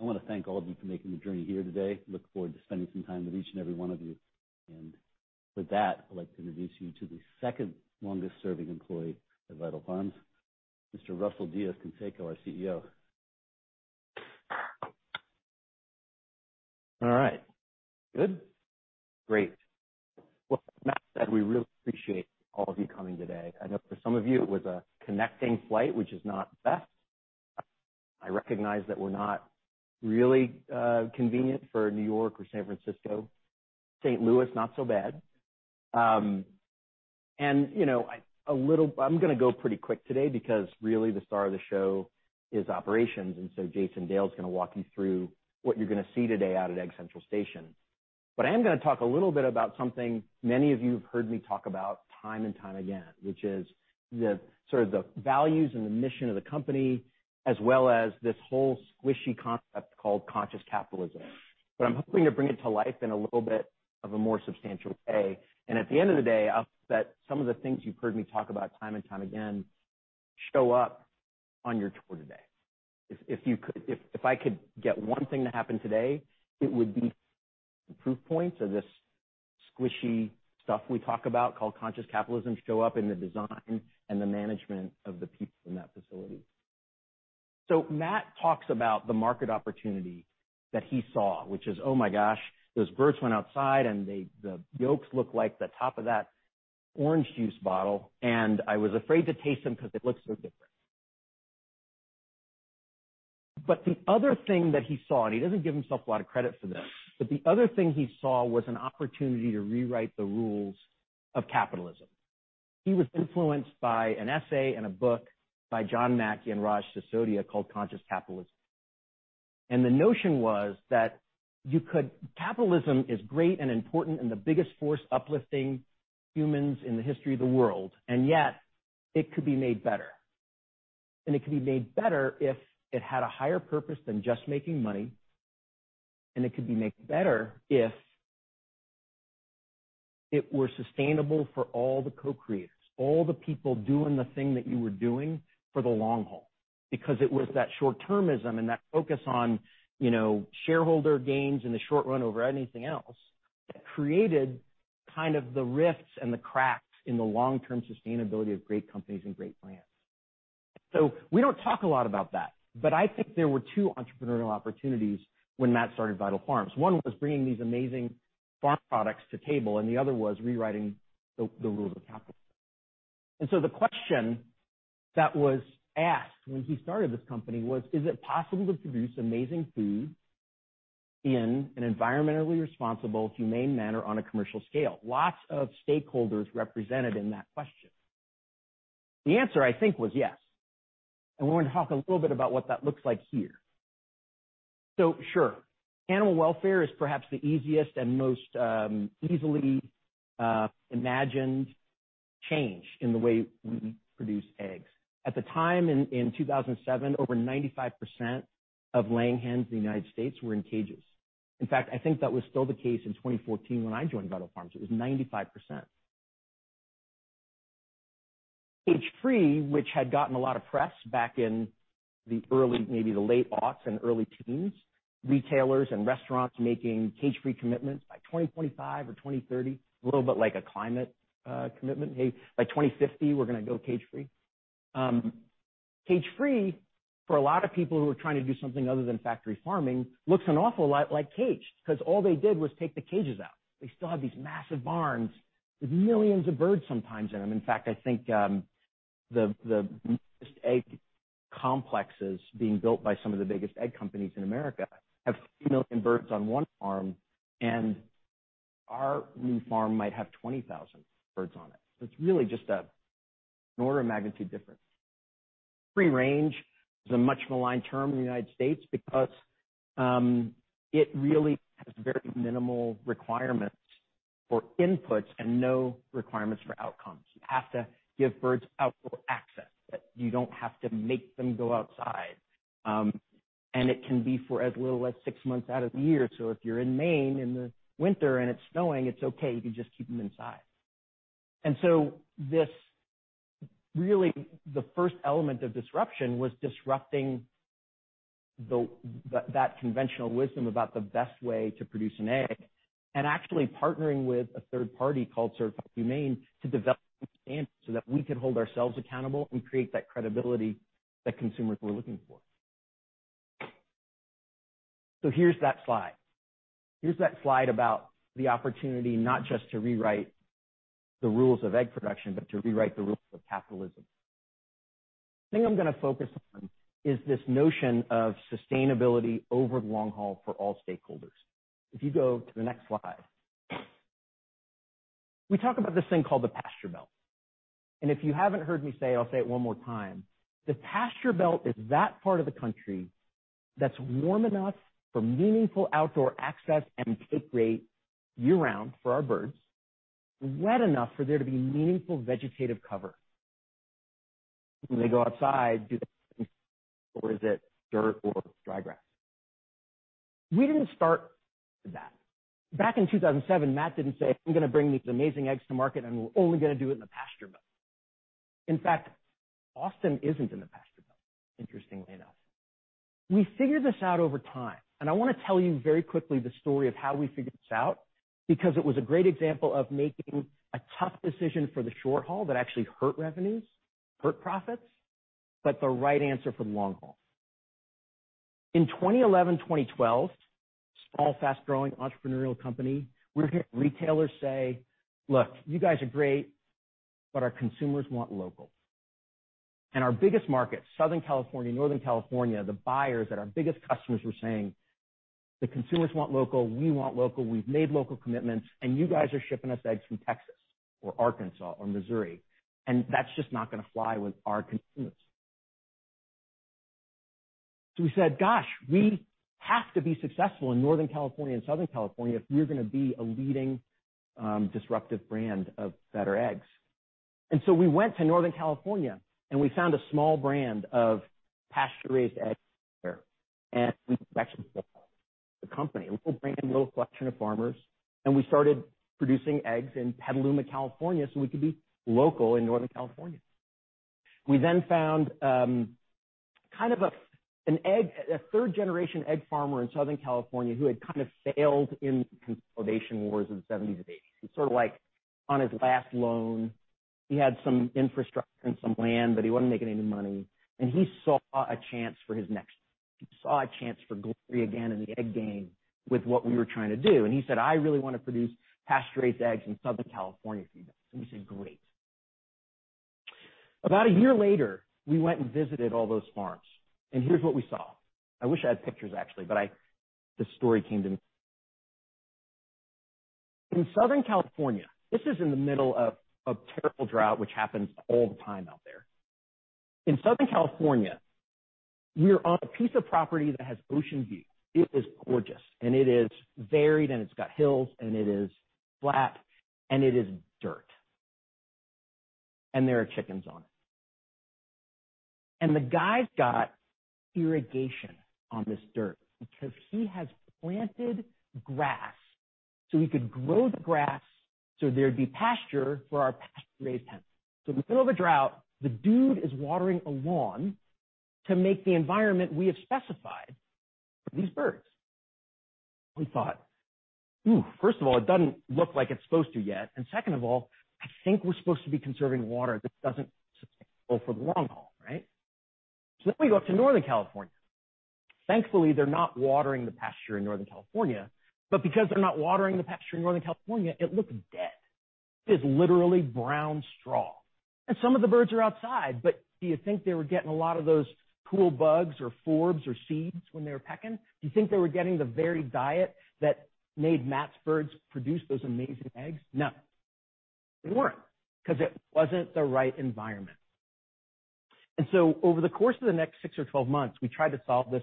I want to thank all of you for making the journey here today. Look forward to spending some time with each and every one of you. With that, I'd like to introduce you to the second longest serving employee at Vital Farms, Mr. Russell Diez-Canseco, our CEO. All right. Good? Great. Well, as Matt said, we really appreciate all of you coming today. I know for some of you it was a connecting flight, which is not the best. I recognize that we're not really convenient for New York or San Francisco. St. Louis, not so bad. I'm going to go pretty quick today because really the star of the show is operations, and so Jason Dale's going to walk you through what you're going to see today out at Egg Central Station. I am going to talk a little bit about something many of you have heard me talk about time and time again, which is the values and the mission of the company, as well as this whole squishy concept called conscious capitalism. I'm hoping to bring it to life in a little bit of a more substantial way. At the end of the day, I hope that some of the things you've heard me talk about time and time again show up on your tour today. If I could get one thing to happen today, it would be proof points of this squishy stuff we talk about called conscious capitalism show up in the design and the management of the people in that facility. Matt talks about the market opportunity that he saw, which is, "Oh my gosh, those birds went outside, and the yolks look like the top of that orange juice bottle, and I was afraid to taste them because it looks so different." The other thing that he saw, and he doesn't give himself a lot of credit for this, but the other thing he saw was an opportunity to rewrite the rules of capitalism. He was influenced by an essay and a book by John Mackey and Raj Sisodia called "Conscious Capitalism." The notion was that capitalism is great and important, and the biggest force uplifting humans in the history of the world, and yet it could be made better. It could be made better if it had a higher purpose than just making money. It could be made better if it were sustainable for all the co-creators, all the people doing the thing that you were doing for the long haul. It was that short-termism and that focus on shareholder gains in the short run over anything else that created kind of the rifts and the cracks in the long-term sustainability of great companies and great brands. We don't talk a lot about that, but I think there were two entrepreneurial opportunities when Matt started Vital Farms. One was bringing these amazing farm products to table, and the other was rewriting the rules of capitalism. The question that was asked when he started this company was, is it possible to produce amazing food in an environmentally responsible, humane manner on a commercial scale? Lots of stakeholders represented in that question. The answer, I think, was yes. We're going to talk a little bit about what that looks like here. Sure, animal welfare is perhaps the easiest and most easily imagined change in the way we produce eggs. At the time in 2007, over 95% of laying hens in the U.S. were in cages. In fact, I think that was still the case in 2014 when I joined Vital Farms. It was 95%. Cage-free, which had gotten a lot of press back in the early, maybe the late aughts and early teens, retailers and restaurants making cage-free commitments by 2025 or 2030, a little bit like a climate commitment. "Hey, by 2050, we're going to go cage-free." Cage-free for a lot of people who are trying to do something other than factory farming looks an awful lot like caged, because all they did was take the cages out. They still have these massive barns with millions of birds sometimes in them. In fact, I think the biggest egg complexes being built by some of the biggest egg companies in America have 2 million birds on one farm, and our new farm might have 20,000 birds on it. It's really just an order of magnitude difference. Free-range is a much maligned term in the U.S. because it really has very minimal requirements for inputs and no requirements for outcomes. You have to give birds outdoor access, you don't have to make them go outside. It can be for as little as six months out of the year. If you're in Maine in the winter and it's snowing, it's okay, you can just keep them inside. This really, the first element of disruption was disrupting that conventional wisdom about the best way to produce an egg and actually partnering with a third party called Certified Humane to develop a standard so that we could hold ourselves accountable and create that credibility that consumers were looking for. Here's that slide. Here's that slide about the opportunity, not just to rewrite the rules of egg production, but to rewrite the rules of capitalism. The thing I'm going to focus on is this notion of sustainability over the long haul for all stakeholders. If you go to the next slide. We talk about this thing called the Pasture Belt. If you haven't heard me say, I'll say it one more time. The Pasture Belt is that part of the country that's warm enough for meaningful outdoor access and pasture grade year-round for our birds, wet enough for there to be meaningful vegetative cover. When they go outside, do they see green or is it dirt or dry grass? We didn't start with that. Back in 2007, Matt didn't say, "I'm going to bring these amazing eggs to market, and we're only going to do it in the Pasture Belt." In fact, Austin isn't in the Pasture Belt, interestingly enough. We figured this out over time, and I want to tell you very quickly the story of how we figured this out, because it was a great example of making a tough decision for the short haul that actually hurt revenues, hurt profits, but the right answer for the long haul. In 2011, 2012, small, fast-growing entrepreneurial company, we're hearing retailers say, "Look, you guys are great, but our consumers want local." Our biggest market, Southern California, Northern California, the buyers that our biggest customers were saying, "The consumers want local, we want local. We've made local commitments, you guys are shipping us eggs from Texas or Arkansas or Missouri, and that's just not going to fly with our consumers. We said, "Gosh, we have to be successful in Northern California and Southern California if we're going to be a leading disruptive brand of better eggs." We went to Northern California, and we found a small brand of pasture-raised eggs there. We actually bought the company, a little brand, a little collection of farmers, and we started producing eggs in Petaluma, California, so we could be local in Northern California. We found a third generation egg farmer in Southern California who had kind of failed in the consolidation wars of the 1970s and 1980s. He's sort of on his last loan. He had some infrastructure and some land. He wasn't making any money. He saw a chance for glory again in the egg game with what we were trying to do. He said, "I really want to produce pasture-raised eggs in Southern California for you guys." We said, "Great." About a year later, we went and visited all those farms. Here's what we saw. I wish I had pictures, actually, but the story came to me. In Southern California, this is in the middle of a terrible drought, which happens all the time out there. In Southern California, we're on a piece of property that has ocean views. It is gorgeous, and it is varied, and it's got hills, and it is flat, and it is dirt. There are chickens on it. The guy's got irrigation on this dirt because he has planted grass so he could grow the grass, so there'd be pasture for our pasture-raised hens. In the middle of a drought, the dude is watering a lawn to make the environment we have specified for these birds. We thought, first of all, it doesn't look like it's supposed to yet. And second of all, I think we're supposed to be conserving water. This doesn't seem sustainable for the long haul, right? We go up to Northern California. Thankfully, they're not watering the pasture in Northern California, but because they're not watering the pasture in Northern California, it looks dead. It is literally brown straw. Some of the birds are outside, but do you think they were getting a lot of those cool bugs or forbs or seeds when they were pecking? Do you think they were getting the varied diet that made Matt's birds produce those amazing eggs? No. They weren't, because it wasn't the right environment. Over the course of the next six or 12 months, we tried to solve this.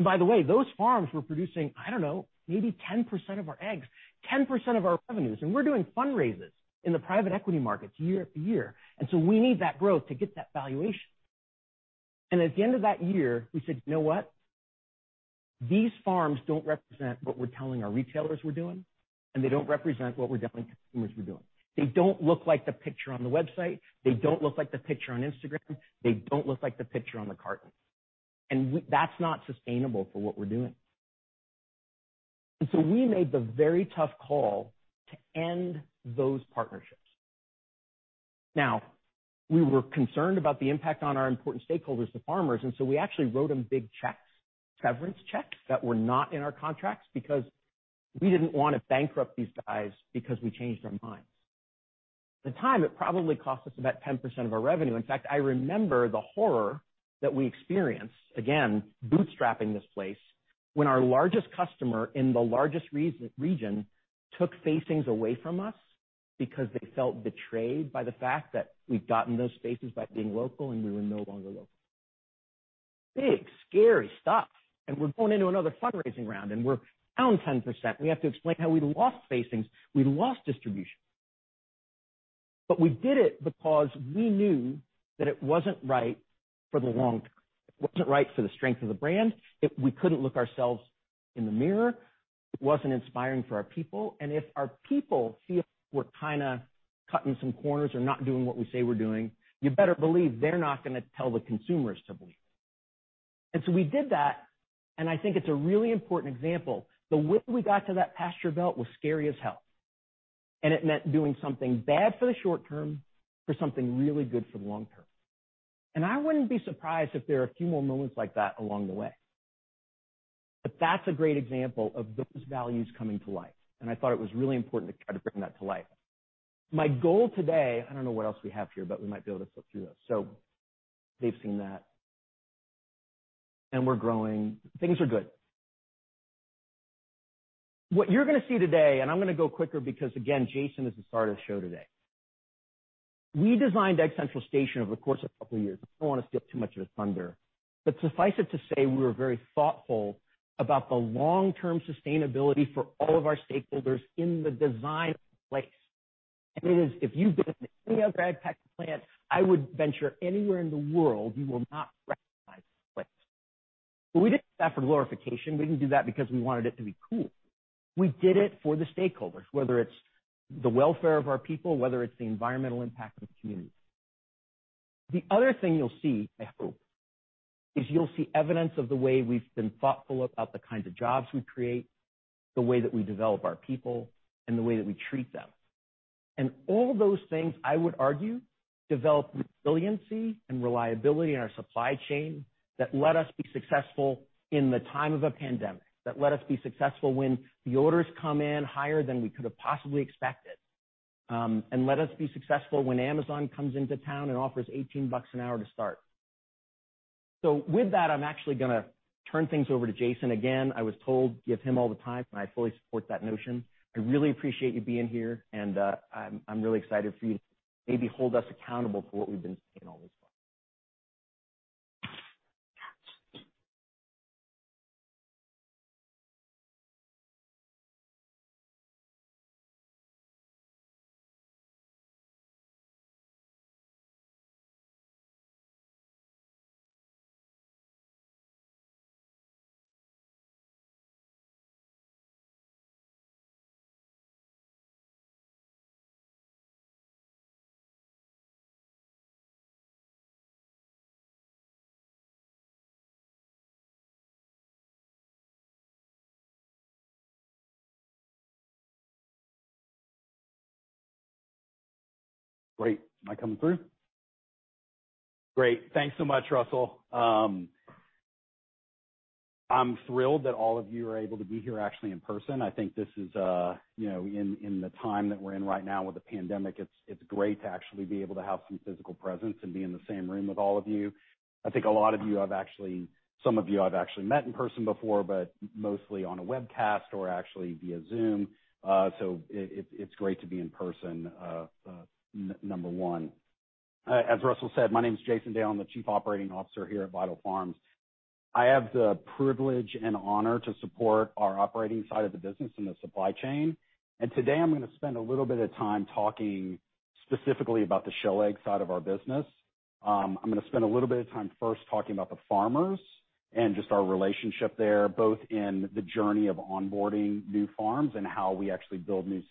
By the way, those farms were producing, I don't know, maybe 10% of our eggs, 10% of our revenues. We're doing fundraisers in the private equity markets year after year. We need that growth to get that valuation. At the end of that year, we said, "You know what? These farms don't represent what we're telling our retailers we're doing, and they don't represent what we're telling consumers we're doing. They don't look like the picture on the website. They don't look like the picture on Instagram. They don't look like the picture on the carton. That's not sustainable for what we're doing. We made the very tough call to end those partnerships. Now, we were concerned about the impact on our important stakeholders, the farmers, we actually wrote them big checks, severance checks that were not in our contracts because we didn't want to bankrupt these guys because we changed our minds. At the time, it probably cost us about 10% of our revenue. In fact, I remember the horror that we experienced, again, bootstrapping this place, when our largest customer in the largest region took facings away from us because they felt betrayed by the fact that we'd gotten those spaces by being local and we were no longer local. Big, scary stuff. We're going into another fundraising round, we're down 10%. We have to explain how we'd lost facings. We'd lost distribution. We did it because we knew that it wasn't right for the long term. It wasn't right for the strength of the brand. We couldn't look ourselves in the mirror. It wasn't inspiring for our people. If our people feel we're kind of cutting some corners or not doing what we say we're doing, you better believe they're not going to tell the consumers to believe it. We did that, and I think it's a really important example. The way we got to that Pasture Belt was scary as hell. It meant doing something bad for the short term for something really good for the long term. I wouldn't be surprised if there are a few more moments like that along the way. That's a great example of those values coming to life, and I thought it was really important to try to bring that to life. My goal today, I don't know what else we have here, but we might be able to flip through those. They've seen that. We're growing. Things are good. What you're going to see today, and I'm going to go quicker because, again, Jason is the star of the show today. We designed Egg Central Station over the course of a couple of years. I don't want to steal too much of his thunder. Suffice it to say, we were very thoughtful about the long-term sustainability for all of our stakeholders in the design of the place. It is, if you've been to any other egg packing plant, I would venture anywhere in the world, you will not recognize this place. We didn't do that for glorification. We didn't do that because we wanted it to be cool. We did it for the stakeholders, whether it's the welfare of our people, whether it's the environmental impact of the communities. The other thing you'll see, I hope, is you'll see evidence of the way we've been thoughtful about the kinds of jobs we create, the way that we develop our people, and the way that we treat them. All those things, I would argue, develop resiliency and reliability in our supply chain that let us be successful in the time of a pandemic, that let us be successful when the orders come in higher than we could've possibly expected, and let us be successful when Amazon comes into town and offers $18 an hour to start. With that, I'm actually going to turn things over to Jason. Again, I was told give him all the time, and I fully support that notion. I really appreciate you being here and I'm really excited for you to maybe hold us accountable for what we've been saying all this while. Great. Am I coming through? Great. Thanks so much, Russell. I'm thrilled that all of you are able to be here actually in person. I think this is, in the time that we're in right now with the pandemic, it's great to actually be able to have some physical presence and be in the same room with all of you. I think a lot of you I've actually, some of you I've actually met in person before, but mostly on a webcast or actually via Zoom. It's great to be in person, number one. As Russell said, my name's Jason Dale. I'm the Chief Operating Officer here at Vital Farms. I have the privilege and honor to support our operating side of the business and the supply chain. Today I'm going to spend a little bit of time talking specifically about the shell egg side of our business. I'm going to spend a little bit of time first talking about the farmers and just our relationship there, both in the journey of onboarding new farms and how we actually build new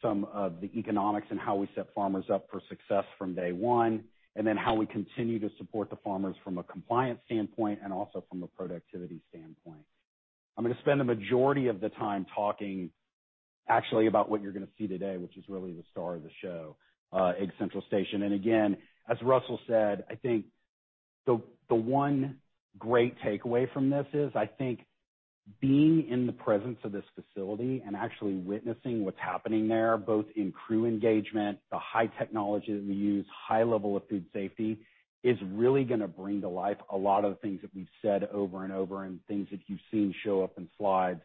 supply, some of the economics and how we set farmers up for success from day one, and then how we continue to support the farmers from a compliance standpoint and also from a productivity standpoint. I'm going to spend the majority of the time talking actually about what you're going to see today, which is really the star of the show, Egg Central Station. Again, as Russell said, I think the one great takeaway from this is, I think being in the presence of this facility and actually witnessing what's happening there, both in crew engagement, the high technology that we use, high level of food safety, is really going to bring to life a lot of the things that we've said over and over and things that you've seen show up in slides.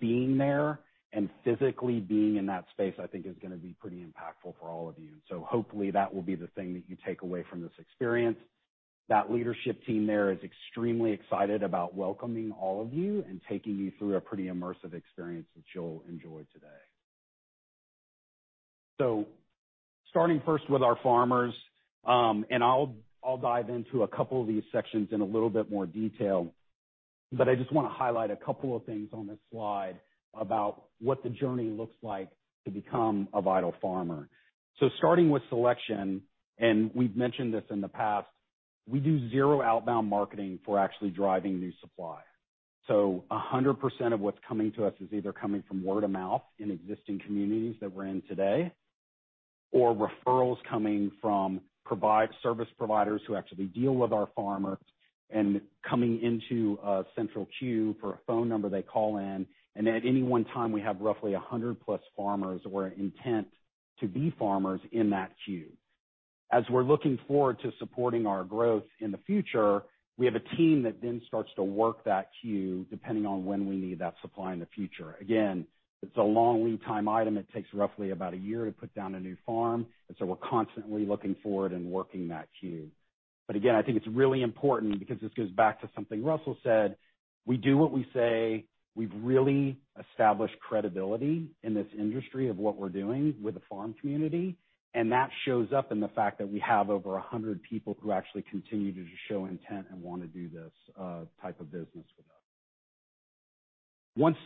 Being there and physically being in that space, I think is going to be pretty impactful for all of you. Hopefully that will be the thing that you take away from this experience. That leadership team there is extremely excited about welcoming all of you and taking you through a pretty immersive experience that you'll enjoy today. Starting first with our farmers, and I'll dive into a couple of these sections in a little bit more detail, but I just want to highlight a couple of things on this slide about what the journey looks like to become a Vital Farmer. Starting with selection, and we've mentioned this in the past, we do zero outbound marketing for actually driving new supply. 100% of what's coming to us is either coming from word of mouth in existing communities that we're in today, or referrals coming from service providers who actually deal with our farmers and coming into a central queue for a phone number they call in, and at any one time, we have roughly 100+ farmers who are intent to be farmers in that queue. As we're looking forward to supporting our growth in the future, we have a team that then starts to work that queue depending on when we need that supply in the future. Again, it's a long lead time item. It takes roughly about a year to put down a new farm, and so we're constantly looking forward and working that queue. Again, I think it's really important because this goes back to something Russell said, we do what we say. We've really established credibility in this industry of what we're doing with the farm community, and that shows up in the fact that we have over 100 people who actually continue to show intent and want to do this type of business with us. Once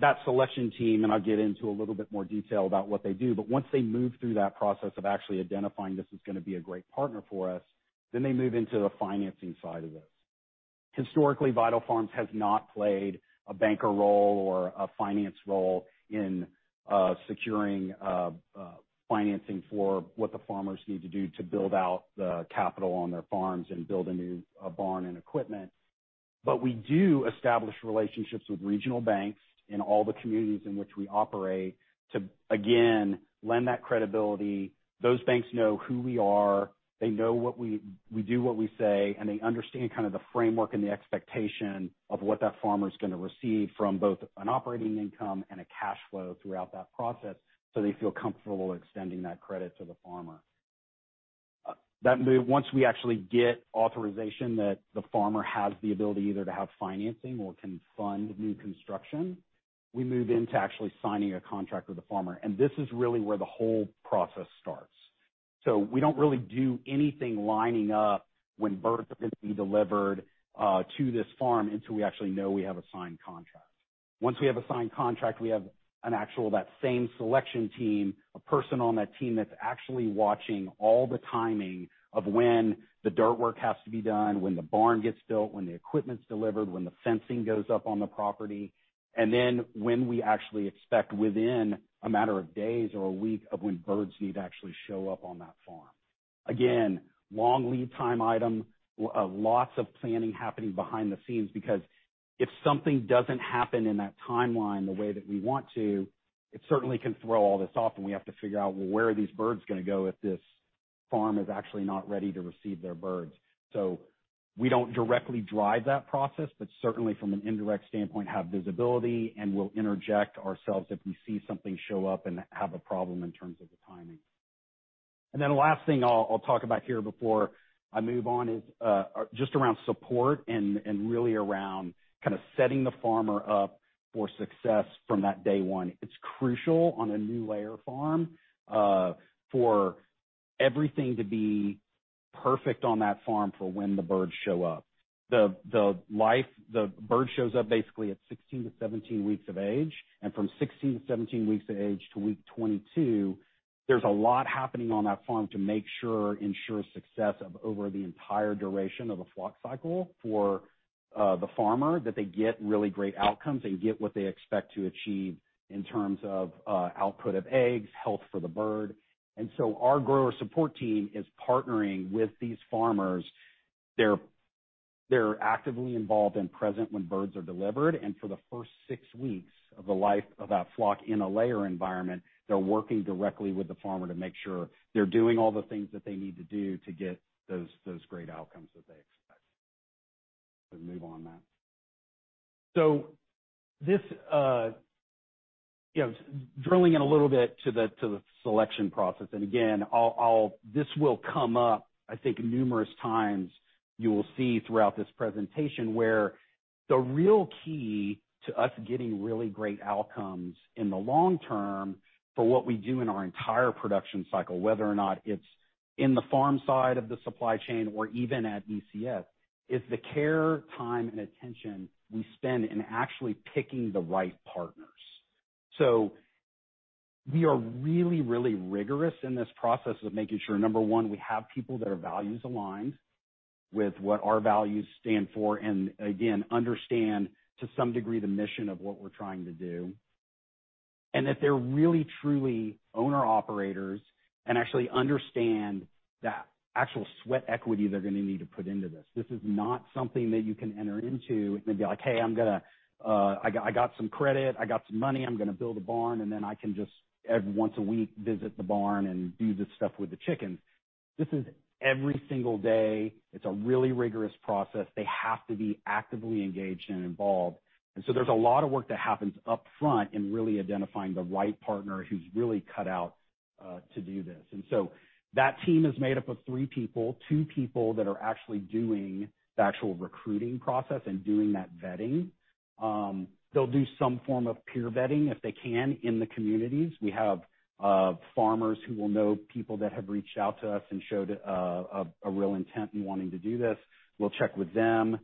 that selection team, and I'll get into a little bit more detail about what they do, but once they move through that process of actually identifying this is going to be a great partner for us, then they move into the financing side of this. Historically, Vital Farms has not played a banker role or a finance role in securing financing for what the farmers need to do to build out the capital on their farms and build a new barn and equipment. We do establish relationships with regional banks in all the communities in which we operate to, again, lend that credibility. Those banks know who we are. They know we do what we say. They understand the framework and the expectation of what that farmer's going to receive from both an operating income and a cash flow throughout that process. They feel comfortable extending that credit to the farmer. Once we actually get authorization that the farmer has the ability either to have financing or can fund new construction, we move into actually signing a contract with the farmer. This is really where the whole process starts. We don't really do anything lining up when birds are going to be delivered to this farm until we actually know we have a signed contract. Once we have a signed contract, we have an actual, that same selection team, a person on that team that's actually watching all the timing of when the dirt work has to be done, when the barn gets built, when the equipment's delivered, when the fencing goes up on the property, and then when we actually expect within a matter of days or a week of when birds need to actually show up on that farm. Long lead time item, lots of planning happening behind the scenes because if something doesn't happen in that timeline the way that we want to, it certainly can throw all this off and we have to figure out, well, where are these birds going to go if this farm is actually not ready to receive their birds? We don't directly drive that process, but certainly from an indirect standpoint, have visibility and we'll interject ourselves if we see something show up and have a problem in terms of the timing. Last thing I'll talk about here before I move on is just around support and really around kind of setting the farmer up for success from that day one. It's crucial on a new layer farm for everything to be perfect on that farm for when the birds show up. The bird shows up basically at 16-17 weeks of age. From 16-17 weeks of age to week 22, there's a lot happening on that farm to ensure success over the entire duration of a flock cycle for the farmer, that they get really great outcomes and get what they expect to achieve in terms of output of eggs, health for the bird. Our grower support team is partnering with these farmers. They're actively involved and present when birds are delivered. For the first six weeks of the life of that flock in a layer environment, they're working directly with the farmer to make sure they're doing all the things that they need to do to get those great outcomes that they expect. Let's move on then. Drilling in a little bit to the selection process. Again, this will come up, I think numerous times you will see throughout this presentation where the real key to us getting really great outcomes in the long term for what we do in our entire production cycle, whether or not it's in the farm side of the supply chain or even at ECS, is the care, time, and attention we spend in actually picking the right partners. We are really, really rigorous in this process of making sure, number one, we have people that are values aligned with what our values stand for, and again, understand to some degree the mission of what we're trying to do. That they're really, truly owner-operators and actually understand that actual sweat equity they're going to need to put into this. This is not something that you can enter into and then be like, "Hey, I got some credit, I got some money, I'm going to build a barn, and then I can just once a week visit the barn and do this stuff with the chickens." This is every single day. It's a really rigorous process. They have to be actively engaged and involved. There's a lot of work that happens upfront in really identifying the right partner who's really cut out to do this. That team is made up of three people, two people that are actually doing the actual recruiting process and doing that vetting. They'll do some form of peer vetting if they can in the communities. We have farmers who will know people that have reached out to us and showed a real intent in wanting to do this. We'll check with them.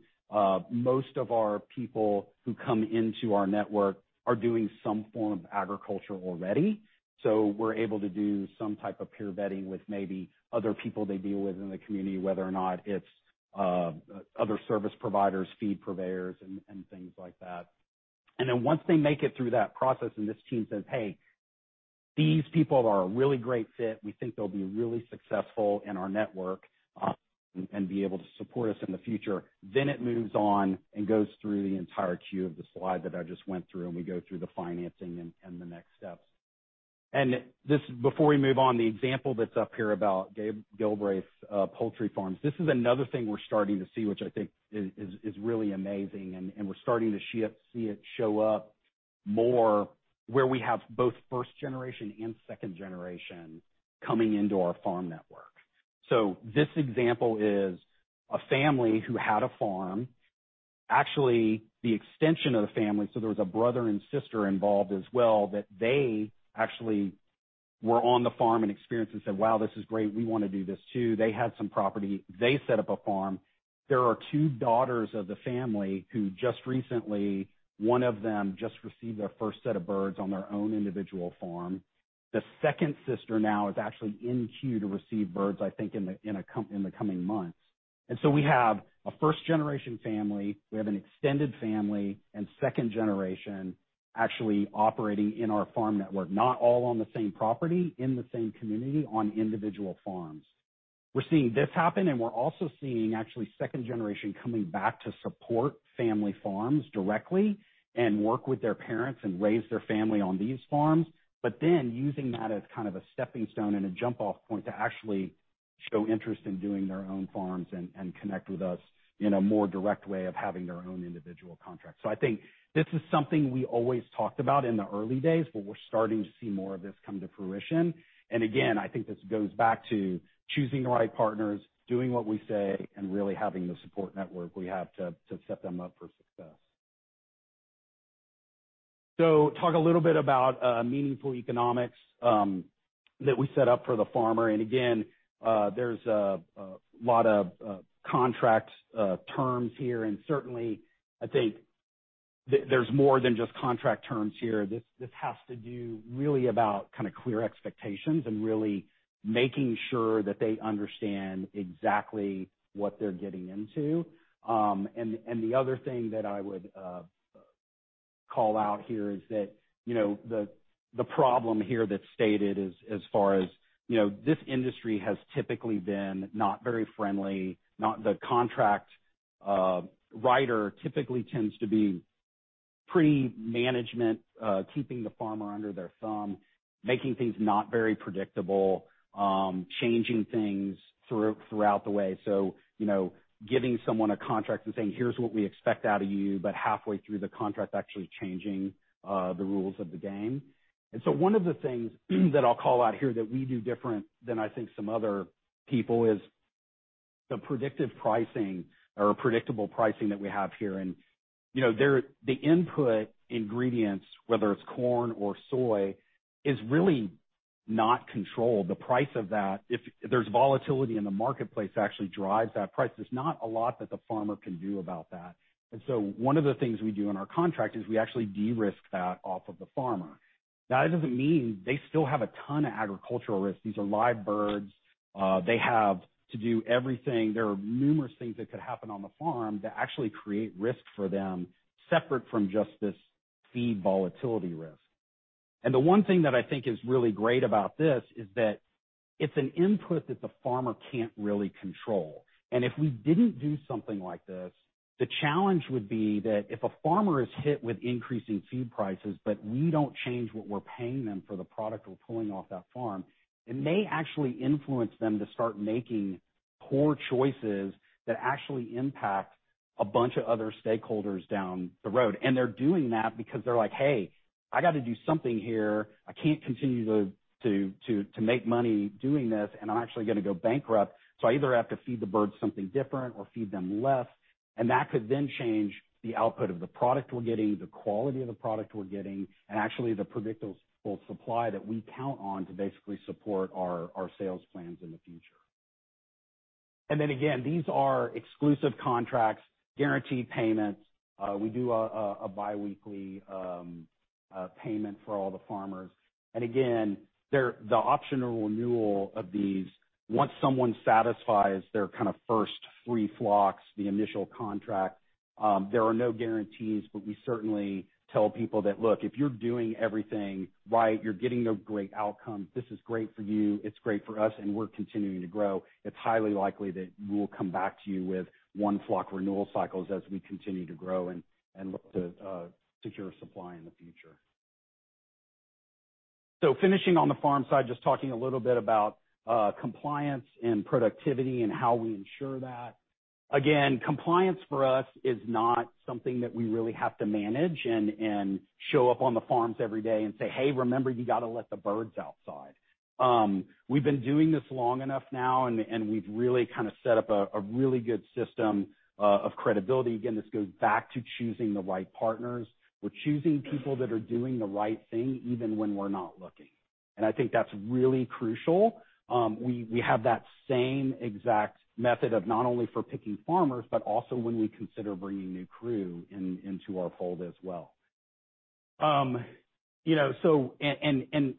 Most of our people who come into our network are doing some form of agriculture already. We're able to do some type of peer vetting with maybe other people they deal with in the community, whether or not it's other service providers, feed purveyors, and things like that. Once they make it through that process and this team says, "Hey, these people are a really great fit. We think they'll be really successful in our network and be able to support us in the future," then it moves on and goes through the entire queue of the slide that I just went through, and we go through the financing and the next steps. Before we move on, the example that's up here about Gilreath Poultry Farms, this is another thing we're starting to see, which I think is really amazing, and we're starting to see it show up more where we have both first generation and second generation coming into our farm network. This example is a family who had a farm. Actually, the extension of the family, so there was a brother and sister involved as well, that they actually were on the farm and experienced and said, "Wow, this is great. We want to do this too." They had some property. They set up a farm. There are two daughters of the family who just recently, one of them just received their first set of birds on their own individual farm. The second sister now is actually in queue to receive birds, I think in the coming months. We have a first-generation family, we have an extended family, and second generation actually operating in our farm network, not all on the same property, in the same community, on individual farms. We're seeing this happen. We're also seeing actually second generation coming back to support family farms directly and work with their parents and raise their family on these farms, using that as kind of a stepping stone and a jump off point to actually show interest in doing their own farms and connect with us in a more direct way of having their own individual contracts. I think this is something we always talked about in the early days, but we're starting to see more of this come to fruition. Again, I think this goes back to choosing the right partners, doing what we say, and really having the support network we have to set them up for success. Talk a little bit about meaningful economics that we set up for the farmer. Again, there's a lot of contract terms here, and certainly I think there's more than just contract terms here. This has to do really about clear expectations and really making sure that they understand exactly what they're getting into. The other thing that I would call out here is that the problem here that's stated as far as this industry has typically been not very friendly. The contract writer typically tends to be pre-management, keeping the farmer under their thumb, making things not very predictable, changing things throughout the way. Giving someone a contract and saying, "Here's what we expect out of you," but halfway through the contract, actually changing the rules of the game. One of the things that I'll call out here that we do different than I think some other people is the predictive pricing or predictable pricing that we have here. The input ingredients, whether it's corn or soy, is really not controlled. The price of that, if there's volatility in the marketplace, actually drives that price. There's not a lot that the farmer can do about that. One of the things we do in our contract is we actually de-risk that off of the farmer. Now, that doesn't mean they still have a ton of agricultural risk. These are live birds. They have to do everything. There are numerous things that could happen on the farm that actually create risk for them, separate from just this feed volatility risk. The one thing that I think is really great about this is that it's an input that the farmer can't really control. If we didn't do something like this, the challenge would be that if a farmer is hit with increasing feed prices, but we don't change what we're paying them for the product we're pulling off that farm, it may actually influence them to start making poor choices that actually impact a bunch of other stakeholders down the road. They're doing that because they're like, "Hey, I got to do something here. I can't continue to make money doing this, and I'm actually going to go bankrupt. I either have to feed the birds something different or feed them less." That could then change the output of the product we're getting, the quality of the product we're getting, and actually the predictable supply that we count on to basically support our sales plans in the future. Again, these are exclusive contracts, guaranteed payments. We do a biweekly payment for all the farmers. Again, the option of renewal of these, once someone satisfies their first three flocks, the initial contract, there are no guarantees, but we certainly tell people that, "Look, if you're doing everything right, you're getting a great outcome. This is great for you, it's great for us, and we're continuing to grow. It's highly likely that we will come back to you with one flock renewal cycles as we continue to grow and look to secure supply in the future. Finishing on the farm side, just talking a little bit about compliance and productivity and how we ensure that. Compliance for us is not something that we really have to manage and show up on the farms every day and say, "Hey, remember, you got to let the birds outside." We've been doing this long enough now, and we've really set up a really good system of credibility. This goes back to choosing the right partners. We're choosing people that are doing the right thing even when we're not looking. I think that's really crucial. We have that same exact method of not only for picking farmers, but also when we consider bringing new crew into our fold as well. Again,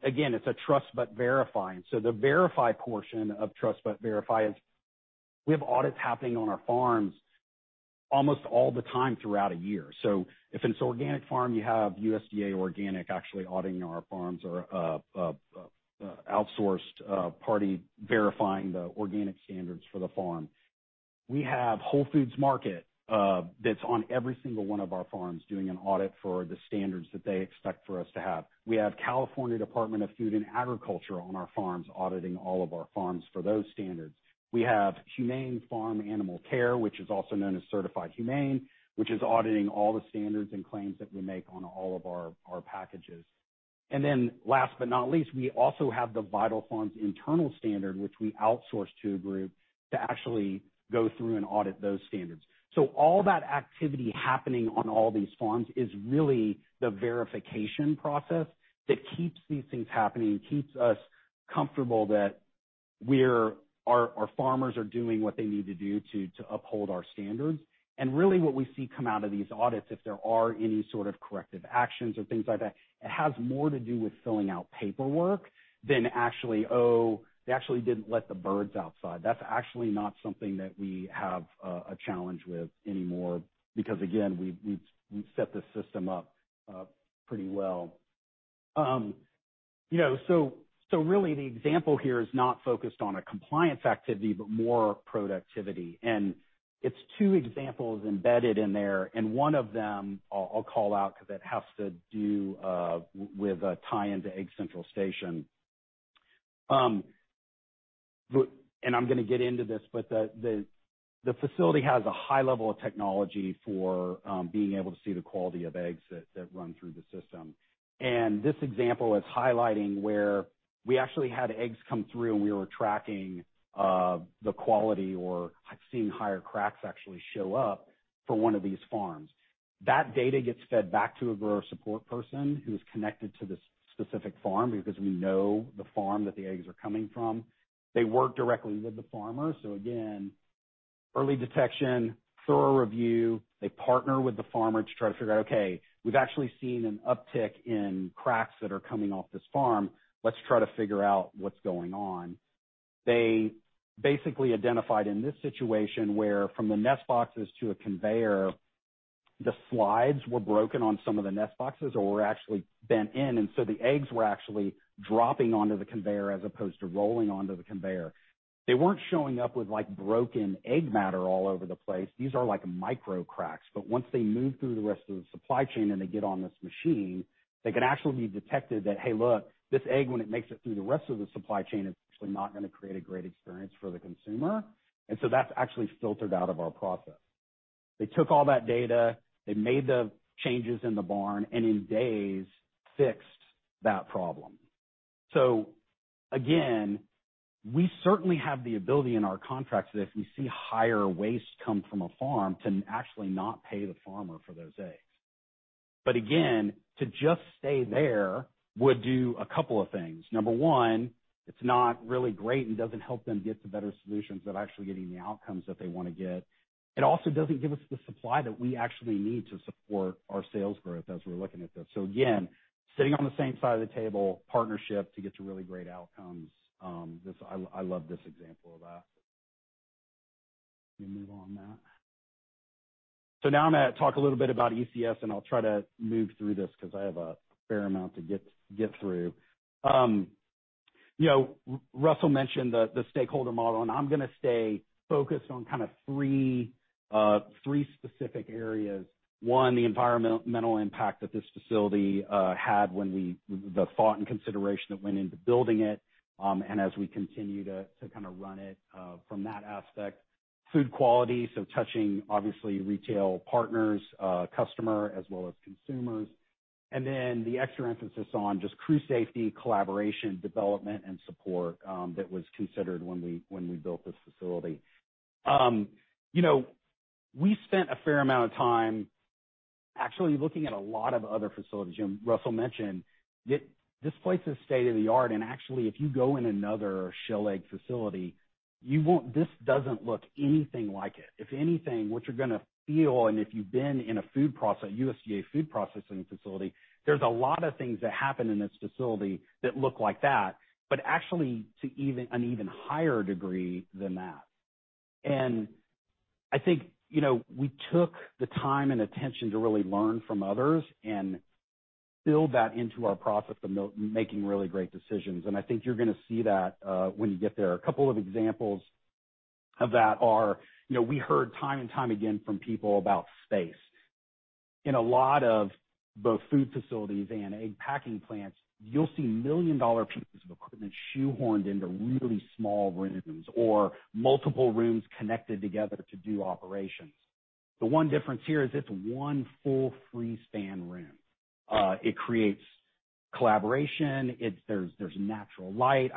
it's a trust but verify. The verify portion of trust but verify is we have audits happening on our farms almost all the time throughout a year. If it's organic farm, you have USDA Organic actually auditing our farms or outsourced party verifying the organic standards for the farm. We have Whole Foods Market that's on every single one of our farms doing an audit for the standards that they expect for us to have. We have California Department of Food and Agriculture on our farms auditing all of our farms for those standards. We have Humane Farm Animal Care, which is also known as Certified Humane, which is auditing all the standards and claims that we make on all of our packages. Last but not least, we also have the Vital Farms' internal standard, which we outsource to a group to actually go through and audit those standards. All that activity happening on all these farms is really the verification process that keeps these things happening and keeps us comfortable that our farmers are doing what they need to do to uphold our standards. Really what we see come out of these audits, if there are any sort of corrective actions or things like that, it has more to do with filling out paperwork than actually, "Oh, they actually didn't let the birds outside." That's actually not something that we have a challenge with anymore because, again, we've set the system up pretty well. Really the example here is not focused on a compliance activity, but more productivity. It's two examples embedded in there, and one of them I'll call out because it has to do with a tie into Egg Central Station. I'm going to get into this, but the facility has a high level of technology for being able to see the quality of eggs that run through the system. This example is highlighting where we actually had eggs come through and we were tracking the quality or seeing higher cracks actually show up for one of these farms. That data gets fed back to a grower support person who's connected to this specific farm because we know the farm that the eggs are coming from. They work directly with the farmer. Again, early detection, thorough review. They partner with the farmer to try to figure out, okay, we've actually seen an uptick in cracks that are coming off this farm. Let's try to figure out what's going on. They basically identified in this situation where from the nest boxes to a conveyor, the slides were broken on some of the nest boxes or were actually bent in. The eggs were actually dropping onto the conveyor as opposed to rolling onto the conveyor. They weren't showing up with broken egg matter all over the place. These are like micro cracks. Once they move through the rest of the supply chain and they get on this machine, they can actually be detected that, hey, look, this egg, when it makes it through the rest of the supply chain, is actually not going to create a great experience for the consumer. That's actually filtered out of our process. They took all that data, they made the changes in the barn. In days, fixed that problem. Again, we certainly have the ability in our contracts that if we see higher waste come from a farm, to actually not pay the farmer for those eggs. Again, to just stay there would do a couple of things. Number one, it's not really great and doesn't help them get to better solutions of actually getting the outcomes that they want to get. It also doesn't give us the supply that we actually need to support our sales growth as we're looking at this. Again, sitting on the same side of the table, partnership to get to really great outcomes. I love this example of that. Can we move on that? Now I'm going to talk a little bit about ECS, and I'll try to move through this because I have a fair amount to get through. Russell mentioned the stakeholder model. I'm going to stay focused on kind of three specific areas. One, the environmental impact that this facility had when the thought and consideration that went into building it, and as we continue to run it from that aspect. Food quality, touching, obviously, retail partners, customer, as well as consumers. The extra emphasis on just crew safety, collaboration, development, and support that was considered when we built this facility. We spent a fair amount of time actually looking at a lot of other facilities. Russell mentioned this place is state-of-the-art, and actually, if you go in another shell egg facility, this doesn't look anything like it. If anything, what you're going to feel, and if you've been in a USDA food processing facility, there's a lot of things that happen in this facility that look like that, but actually to an even higher degree than that. I think we took the time and attention to really learn from others and build that into our process of making really great decisions. I think you're going to see that when you get there. A couple of examples of that are, we heard time and time again from people about space. In a lot of both food facilities and egg packing plants, you'll see million-dollar pieces of equipment shoehorned into really small rooms or multiple rooms connected together to do operations. The one difference here is it's one full free-span room. It creates collaboration. There's natural light.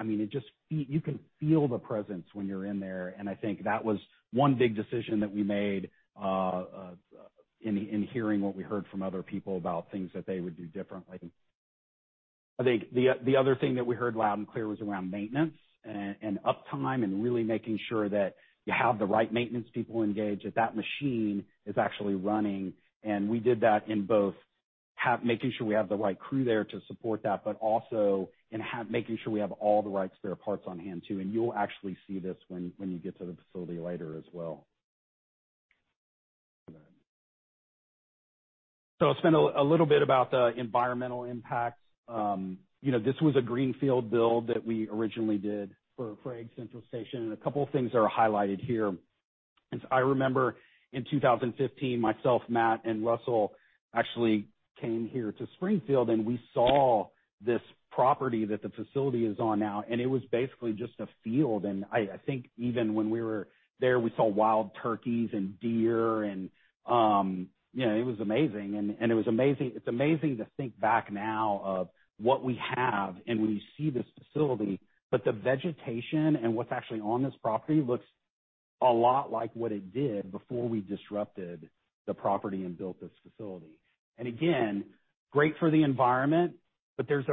You can feel the presence when you're in there, and I think that was one big decision that we made in hearing what we heard from other people about things that they would do differently. I think the other thing that we heard loud and clear was around maintenance and uptime and really making sure that you have the right maintenance people engaged, that that machine is actually running. We did that in both making sure we have the right crew there to support that, also in making sure we have all the right spare parts on hand, too. You'll actually see this when you get to the facility later as well. I'll spend a little bit about the environmental impacts. This was a greenfield build that we originally did for Egg Central Station. A couple of things are highlighted here. I remember in 2015, myself, Matt, and Russell actually came here to Springfield. We saw this property that the facility is on now. It was basically just a field. I think even when we were there, we saw wild turkeys and deer. It was amazing. It's amazing to think back now of what we have and when you see this facility, but the vegetation and what's actually on this property looks a lot like what it did before we disrupted the property and built this facility. Again, great for the environment, but there's,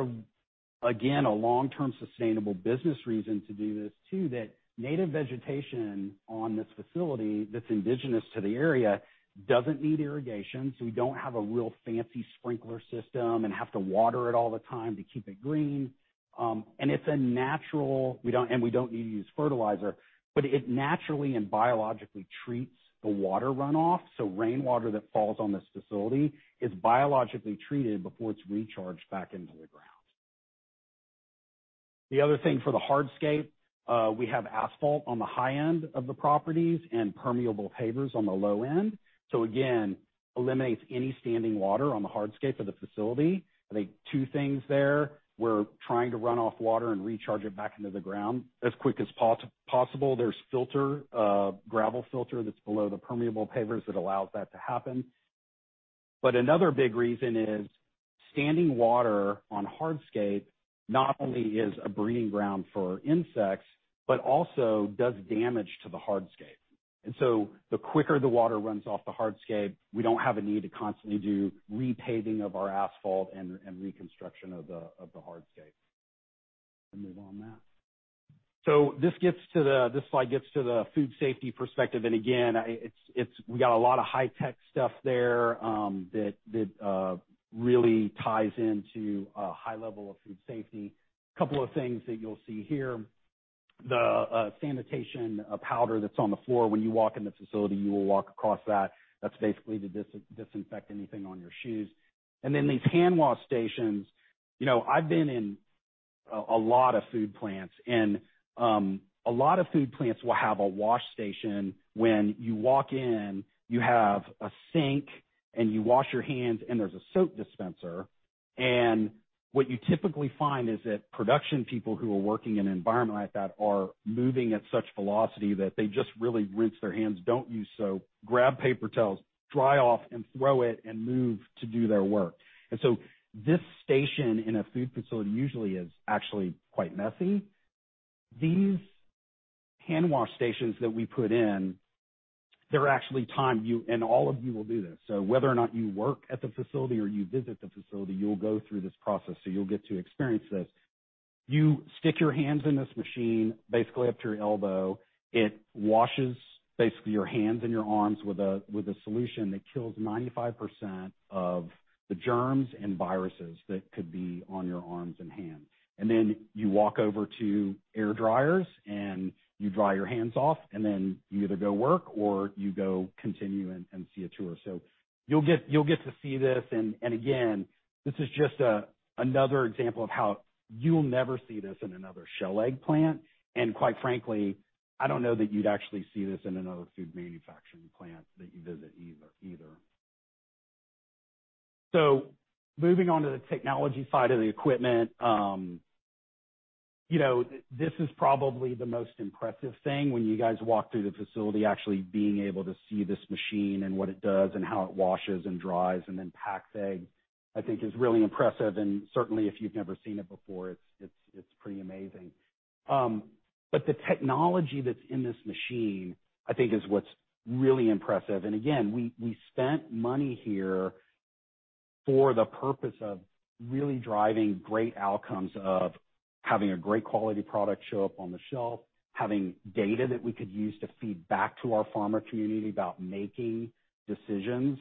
again, a long-term sustainable business reason to do this, too, that native vegetation on this facility that's indigenous to the area doesn't need irrigation. We don't have a real fancy sprinkler system and have to water it all the time to keep it green. We don't need to use fertilizer, but it naturally and biologically treats the water runoff. Rainwater that falls on this facility is biologically treated before it's recharged back into the ground. The other thing for the hardscape, we have asphalt on the high end of the properties and permeable pavers on the low end. Again, eliminates any standing water on the hardscape of the facility. I think two things there. We're trying to run off water and recharge it back into the ground as quick as possible. There's gravel filter that's below the permeable pavers that allows that to happen. Another big reason is standing water on hardscape not only is a breeding ground for insects, but also does damage to the hardscape. The quicker the water runs off the hardscape, we don't have a need to constantly do repaving of our asphalt and reconstruction of the hardscape. Move on that. This slide gets to the food safety perspective, and again, we got a lot of high-tech stuff there that really ties into a high level of food safety. Couple of things that you'll see here, the sanitation powder that's on the floor. When you walk in the facility, you will walk across that. That's basically to disinfect anything on your shoes. These hand wash stations, I've been in a lot of food plants, and a lot of food plants will have a wash station. When you walk in, you have a sink and you wash your hands, and there's a soap dispenser. What you typically find is that production people who are working in an environment like that are moving at such velocity that they just really rinse their hands, don't use soap, grab paper towels, dry off, and throw it and move to do their work. This station in a food facility usually is actually quite messy. These hand wash stations that we put in, they're actually timed. All of you will do this. Whether or not you work at the facility or you visit the facility, you'll go through this process, so you'll get to experience this. You stick your hands in this machine basically up to your elbow. It washes basically your hands and your arms with a solution that kills 95% of the germs and viruses that could be on your arms and hands. You walk over to air dryers, and you dry your hands off, and then you either go work or you go continue and see a tour. You'll get to see this and again, this is just another example of how you'll never see this in another shell egg plant, and quite frankly, I don't know that you'd actually see this in another food manufacturing plant that you visit either. Moving on to the technology side of the equipment. This is probably the most impressive thing when you guys walk through the facility, actually being able to see this machine and what it does and how it washes and dries and then packs egg, I think is really impressive and certainly if you've never seen it before, it's pretty amazing. The technology that's in this machine, I think is what's really impressive. Again, we spent money here for the purpose of really driving great outcomes of having a great quality product show up on the shelf, having data that we could use to feed back to our farmer community about making decisions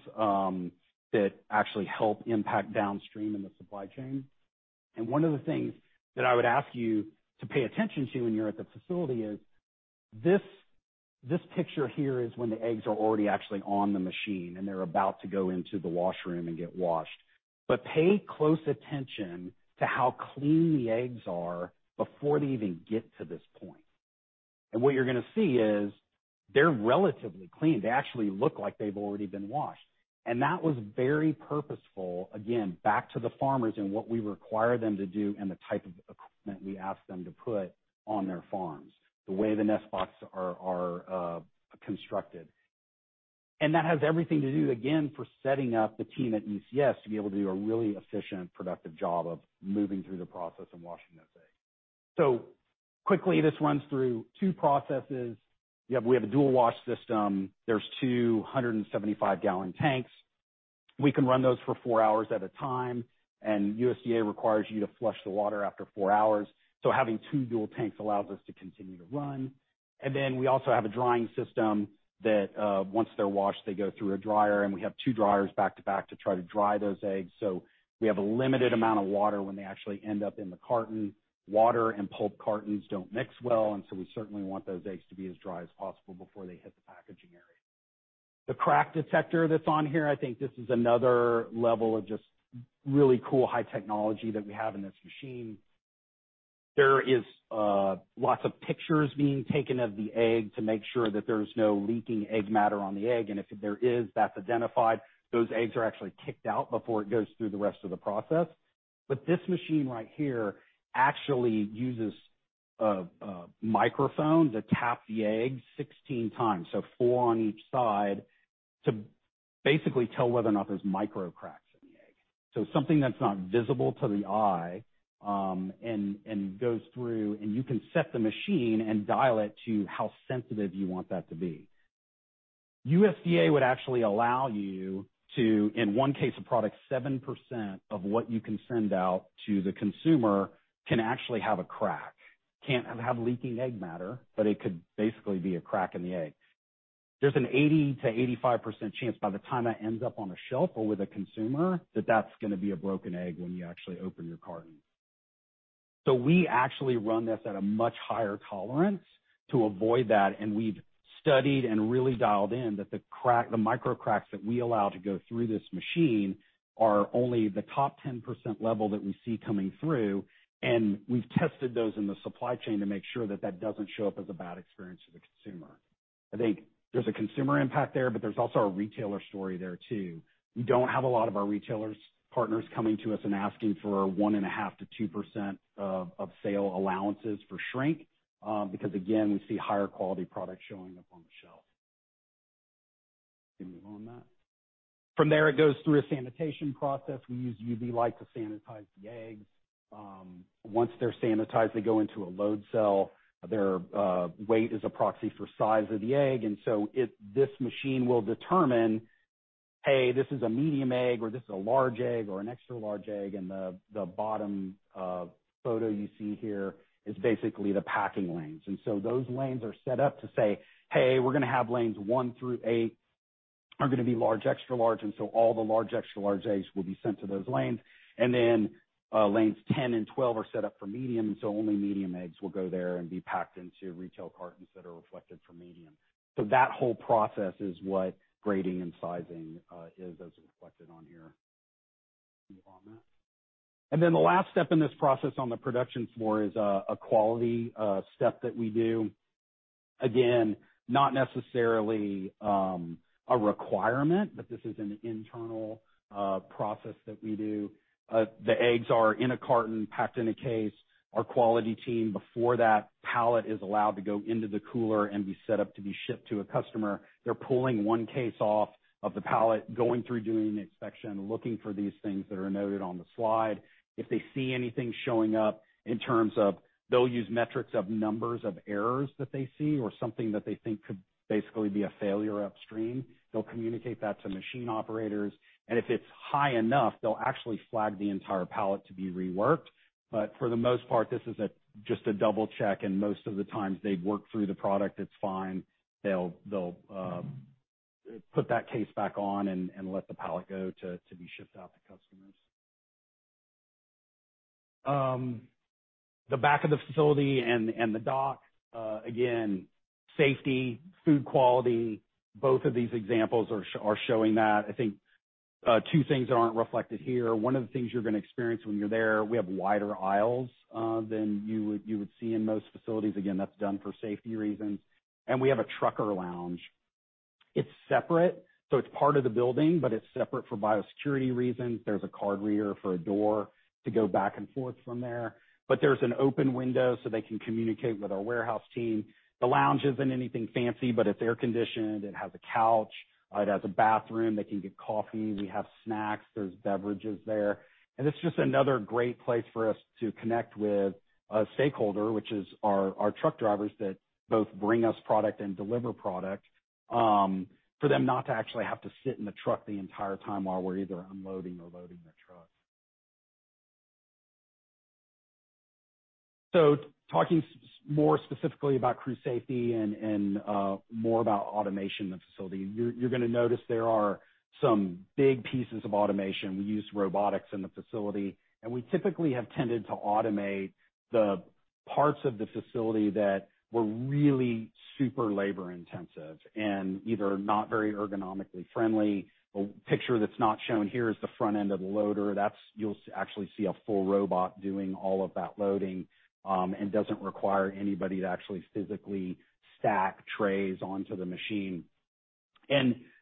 that actually help impact downstream in the supply chain. One of the things that I would ask you to pay attention to when you're at the facility is this picture here is when the eggs are already actually on the machine, and they're about to go into the washroom and get washed. Pay close attention to how clean the eggs are before they even get to this point. What you're going to see is they're relatively clean. They actually look like they've already been washed. That was very purposeful, again, back to the farmers and what we require them to do and the type of equipment we ask them to put on their farms, the way the nest boxes are constructed. That has everything to do, again, for setting up the team at ECS to be able to do a really efficient, productive job of moving through the process and washing those eggs. Quickly, this runs through two processes. We have a dual wash system. There's 275 gal tanks. We can run those for four hours at a time, and USDA requires you to flush the water after four hours, so having two dual tanks allows us to continue to run. We also have a drying system that, once they're washed, they go through a dryer, and we have two dryers back to back to try to dry those eggs. We have a limited amount of water when they actually end up in the carton. Water and pulp cartons don't mix well. We certainly want those eggs to be as dry as possible before they hit the packaging area. The crack detector that's on here, I think this is another level of just really cool high technology that we have in this machine. There is lots of pictures being taken of the egg to make sure that there's no leaking egg matter on the egg, and if there is, that's identified. Those eggs are actually kicked out before it goes through the rest of the process. This machine right here actually uses a microphone to tap the eggs 16x, so four on each side, to basically tell whether or not there's micro cracks in the egg. Something that's not visible to the eye, and goes through, and you can set the machine and dial it to how sensitive you want that to be. USDA would actually allow you to, in one case of product, 7% of what you can send out to the consumer can actually have a crack. Can't have leaking egg matter, but it could basically be a crack in the egg. There's an 80%-85% chance by the time that ends up on a shelf or with a consumer, that that's going to be a broken egg when you actually open your carton. We actually run this at a much higher tolerance to avoid that, and we've studied and really dialed in that the micro cracks that we allow to go through this machine are only the top 10% level that we see coming through, and we've tested those in the supply chain to make sure that that doesn't show up as a bad experience for the consumer. I think there's a consumer impact there, but there's also a retailer story there too. We don't have a lot of our retailers partners coming to us and asking for 1.5%-2% of sale allowances for shrink, because again, we see higher quality product showing up on the shelf. Can we move on that? From there, it goes through a sanitation process. We use UV light to sanitize the eggs. Once they're sanitized, they go into a load cell. Their weight is a proxy for size of the egg. This machine will determine, hey, this is a medium egg, or this is a large egg, or an extra large egg. The bottom photo you see here is basically the packing lanes. Those lanes are set up to say, hey, we're going to have lanes one through eight are going to be large, extra large, and so all the large, extra large eggs will be sent to those lanes. Lanes 10 and 12 are set up for medium, and so only medium eggs will go there and be packed into retail cartons that are reflected for medium. That whole process is what grading and sizing is as reflected on here. Move on that. The last step in this process on the production floor is a quality step that we do. Not necessarily a requirement, but this is an internal process that we do. The eggs are in a carton, packed in a case. Our quality team, before that pallet is allowed to go into the cooler and be set up to be shipped to a customer, they're pulling one case off of the pallet, going through, doing an inspection, looking for these things that are noted on the slide. If they see anything showing up in terms of they'll use metrics of numbers of errors that they see or something that they think could basically be a failure upstream, they'll communicate that to machine operators, and if it's high enough, they'll actually flag the entire pallet to be reworked. For the most part, this is just a double-check, and most of the times they work through the product, it's fine. They'll put that case back on and let the pallet go to be shipped out to customers. The back of the facility and the dock, again, safety, food quality, both of these examples are showing that. I think two things that aren't reflected here. One of the things you're going to experience when you're there, we have wider aisles than you would see in most facilities. Again, that's done for safety reasons. We have a trucker lounge. It's separate, so it's part of the building, but it's separate for biosecurity reasons. There's a card reader for a door to go back and forth from there. There's an open window so they can communicate with our warehouse team. The lounge isn't anything fancy, but it's air-conditioned. It has a couch. It has a bathroom. They can get coffee. We have snacks. There's beverages there. It's just another great place for us to connect with a stakeholder, which is our truck drivers that both bring us product and deliver product, for them not to actually have to sit in the truck the entire time while we're either unloading or loading their truck. Talking more specifically about crew safety and more about automation in the facility, you're going to notice there are some big pieces of automation. We use robotics in the facility, and we typically have tended to automate the parts of the facility that were really super labor-intensive and either not very ergonomically friendly. A picture that's not shown here is the front end of the loader. You'll actually see a full robot doing all of that loading and doesn't require anybody to actually physically stack trays onto the machine.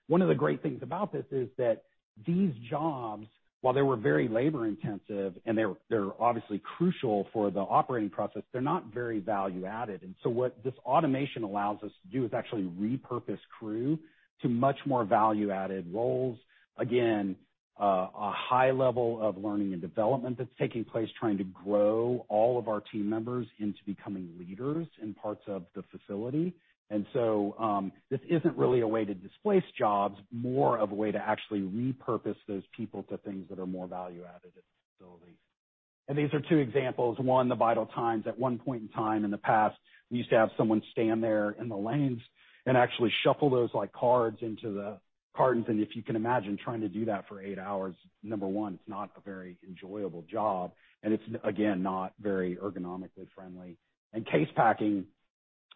One of the great things about this is that these jobs, while they were very labor-intensive, and they're obviously crucial for the operating process, they're not very value-added. What this automation allows us to do is actually repurpose crew to much more value-added roles. Again, a high level of learning and development that's taking place, trying to grow all of our team members into becoming leaders in parts of the facility. This isn't really a way to displace jobs, more of a way to actually repurpose those people to things that are more value-added at the facility. These are two examples. One, the Vital Times. At one point in time in the past, we used to have someone stand there in the lanes and actually shuffle those cards into the cartons. If you can imagine trying to do that for eight hours, number one, it's not a very enjoyable job, and it's, again, not very ergonomically friendly. In case packing,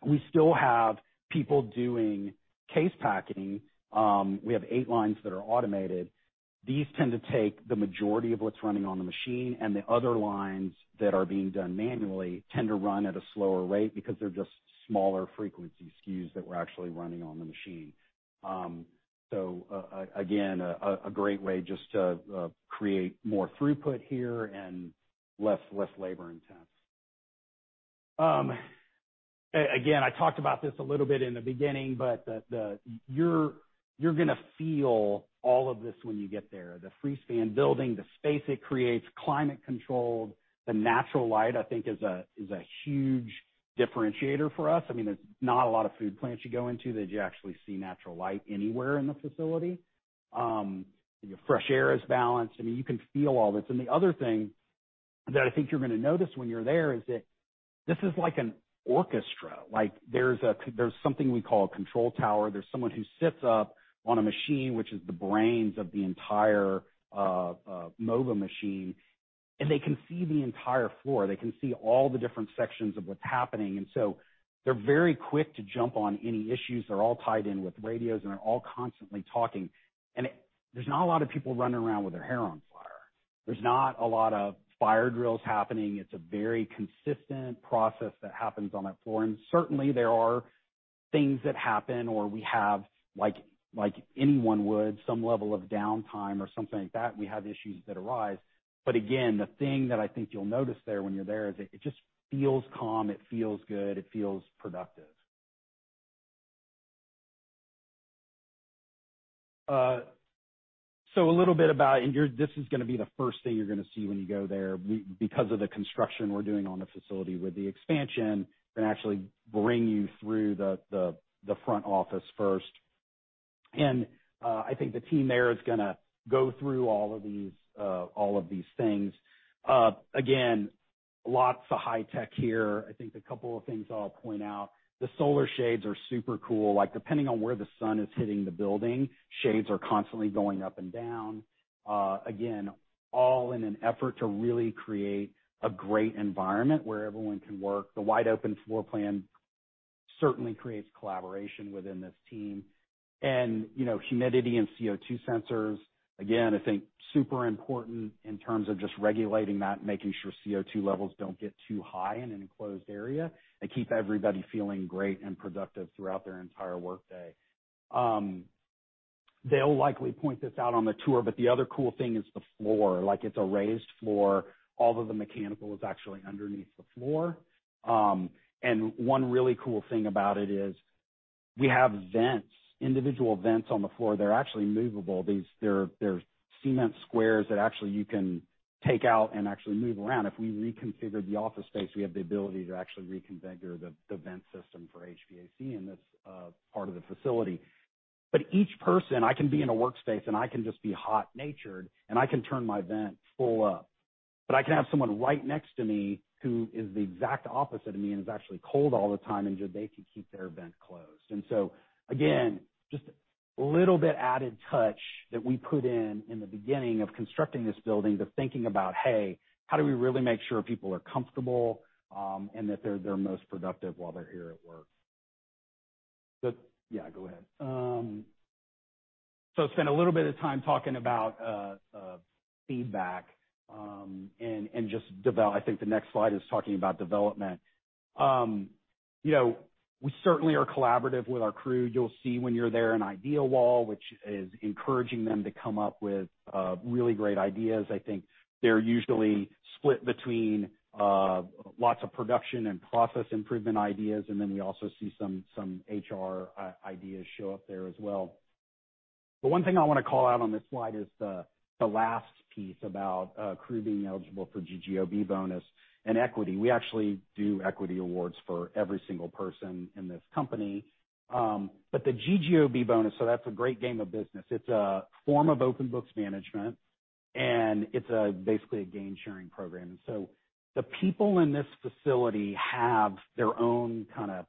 we still have people doing case packing. We have eight lines that are automated. These tend to take the majority of what's running on the machine, and the other lines that are being done manually tend to run at a slower rate because they're just smaller frequency SKUs that we're actually running on the machine. Again, a great way just to create more throughput here and less labor-intense. Again, I talked about this a little bit in the beginning, but you're going to feel all of this when you get there. The free-span building, the space it creates, climate-controlled, the natural light, I think is a huge differentiator for us. There's not a lot of food plants you go into that you actually see natural light anywhere in the facility. Fresh air is balanced. You can feel all this. The other thing that I think you're going to notice when you're there is that this is like an orchestra. There's something we call a control tower. There's someone who sits up on a machine, which is the brains of the entire Moba machine, and they can see the entire floor. They can see all the different sections of what's happening, and so they're very quick to jump on any issues. They're all tied in with radios, and they're all constantly talking. There's not a lot of people running around with their hair on fire. There's not a lot of fire drills happening. It's a very consistent process that happens on that floor. Certainly, there are things that happen, or we have, like anyone would, some level of downtime or something like that, and we have issues that arise. Again, the thing that I think you'll notice there when you're there is it just feels calm, it feels good, it feels productive. A little bit about, this is going to be the first thing you're going to see when you go there. Because of the construction we're doing on the facility with the expansion, going to actually bring you through the front office first. I think the team there is going to go through all of these things. Again, lots of high tech here. I think a couple of things I'll point out, the solar shades are super cool. Depending on where the sun is hitting the building, shades are constantly going up and down. Again, all in an effort to really create a great environment where everyone can work. The wide open floor plan certainly creates collaboration within this team. Humidity and CO2 sensors, again, I think super important in terms of just regulating that and making sure CO2 levels don't get too high in an enclosed area, and keep everybody feeling great and productive throughout their entire workday. They'll likely point this out on the tour, but the other cool thing is the floor. It's a raised floor. All of the mechanical is actually underneath the floor. One really cool thing about it is we have vents, individual vents on the floor that are actually movable. They're cement squares that actually you can take out and actually move around. If we reconfigure the office space, we have the ability to actually reconfigure the vent system for HVAC in this part of the facility. Each person, I can be in a workspace, and I can just be hot-natured, and I can turn my vent full up. I can have someone right next to me who is the exact opposite of me and is actually cold all the time, and they can keep their vent closed. Again, just a little bit added touch that we put in in the beginning of constructing this building, thinking about, how do we really make sure people are comfortable, and that they're their most productive while they're here at work? Yeah, go ahead. Spent a little bit of time talking about feedback, I think the next slide is talking about development. We certainly are collaborative with our crew. You'll see when you're there an idea wall, which is encouraging them to come up with really great ideas. I think they're usually split between lots of production and process improvement ideas. We also see some HR ideas show up there as well. One thing I want to call out on this slide is the last piece about crew being eligible for GGOB bonus and equity. We actually do equity awards for every single person in this company. The GGOB bonus, so that's a Great Game of Business. It's a form of open-book management, and it's basically a gain-sharing program. The people in this facility have their own kind of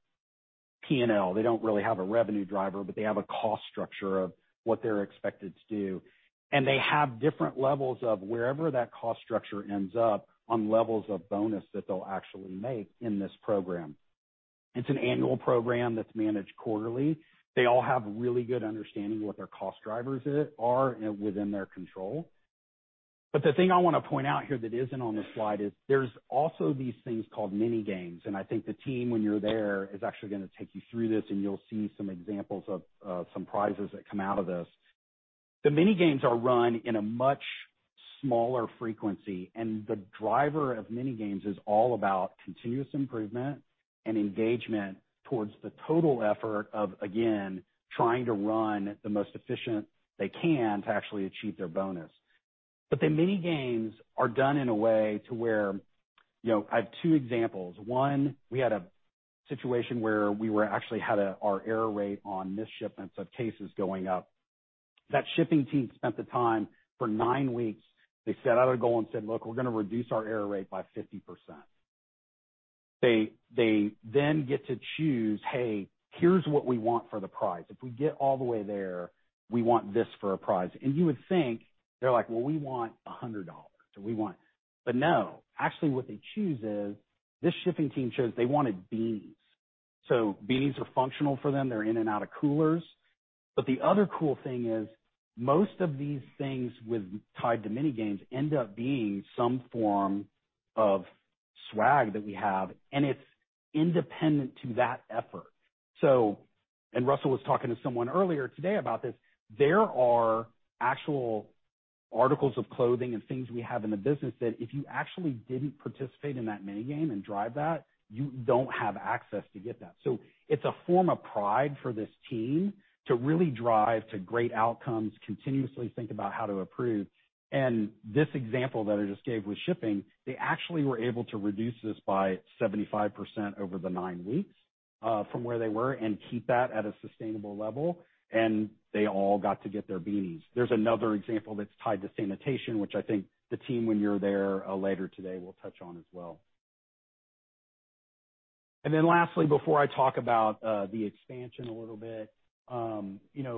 P&L. They don't really have a revenue driver, but they have a cost structure of what they're expected to do. They have different levels of wherever that cost structure ends up on levels of bonus that they'll actually make in this program. It's an annual program that's managed quarterly. They all have really good understanding of what their cost drivers are within their control. The thing I want to point out here that isn't on this slide is there's also these things called mini games, and I think the team, when you're there, is actually going to take you through this, and you'll see some examples of some prizes that come out of this. The mini games are run in a much smaller frequency, and the driver of mini games is all about continuous improvement and engagement towards the total effort of, again, trying to run the most efficient they can to actually achieve their bonus. The mini games are done in a way to where, I have two examples. One, we had a situation where we actually had our error rate on missed shipments of cases going up. That shipping team spent the time for nine weeks. They set out a goal and said, "Look, we're going to reduce our error rate by 50%." They get to choose, "Hey, here's what we want for the prize. If we get all the way there, we want this for a prize." You would think they're like, "Well, we want $100." No. Actually, what they choose is this shipping team chose they wanted beanies. Beanies are functional for them. They're in and out of coolers. The other cool thing is, most of these things tied to mini games end up being some form of swag that we have, and it's independent to that effort. Russell was talking to someone earlier today about this. There are actual articles of clothing and things we have in the business that if you actually didn't participate in that mini game and drive that, you don't have access to get that. It's a form of pride for this team to really drive to great outcomes, continuously think about how to improve. This example that I just gave with shipping, they actually were able to reduce this by 75% over the nine weeks from where they were and keep that at a sustainable level, and they all got to get their beanies. There's another example that's tied to sanitation, which I think the team, when you're there later today, will touch on as well. Lastly, before I talk about the expansion a little bit.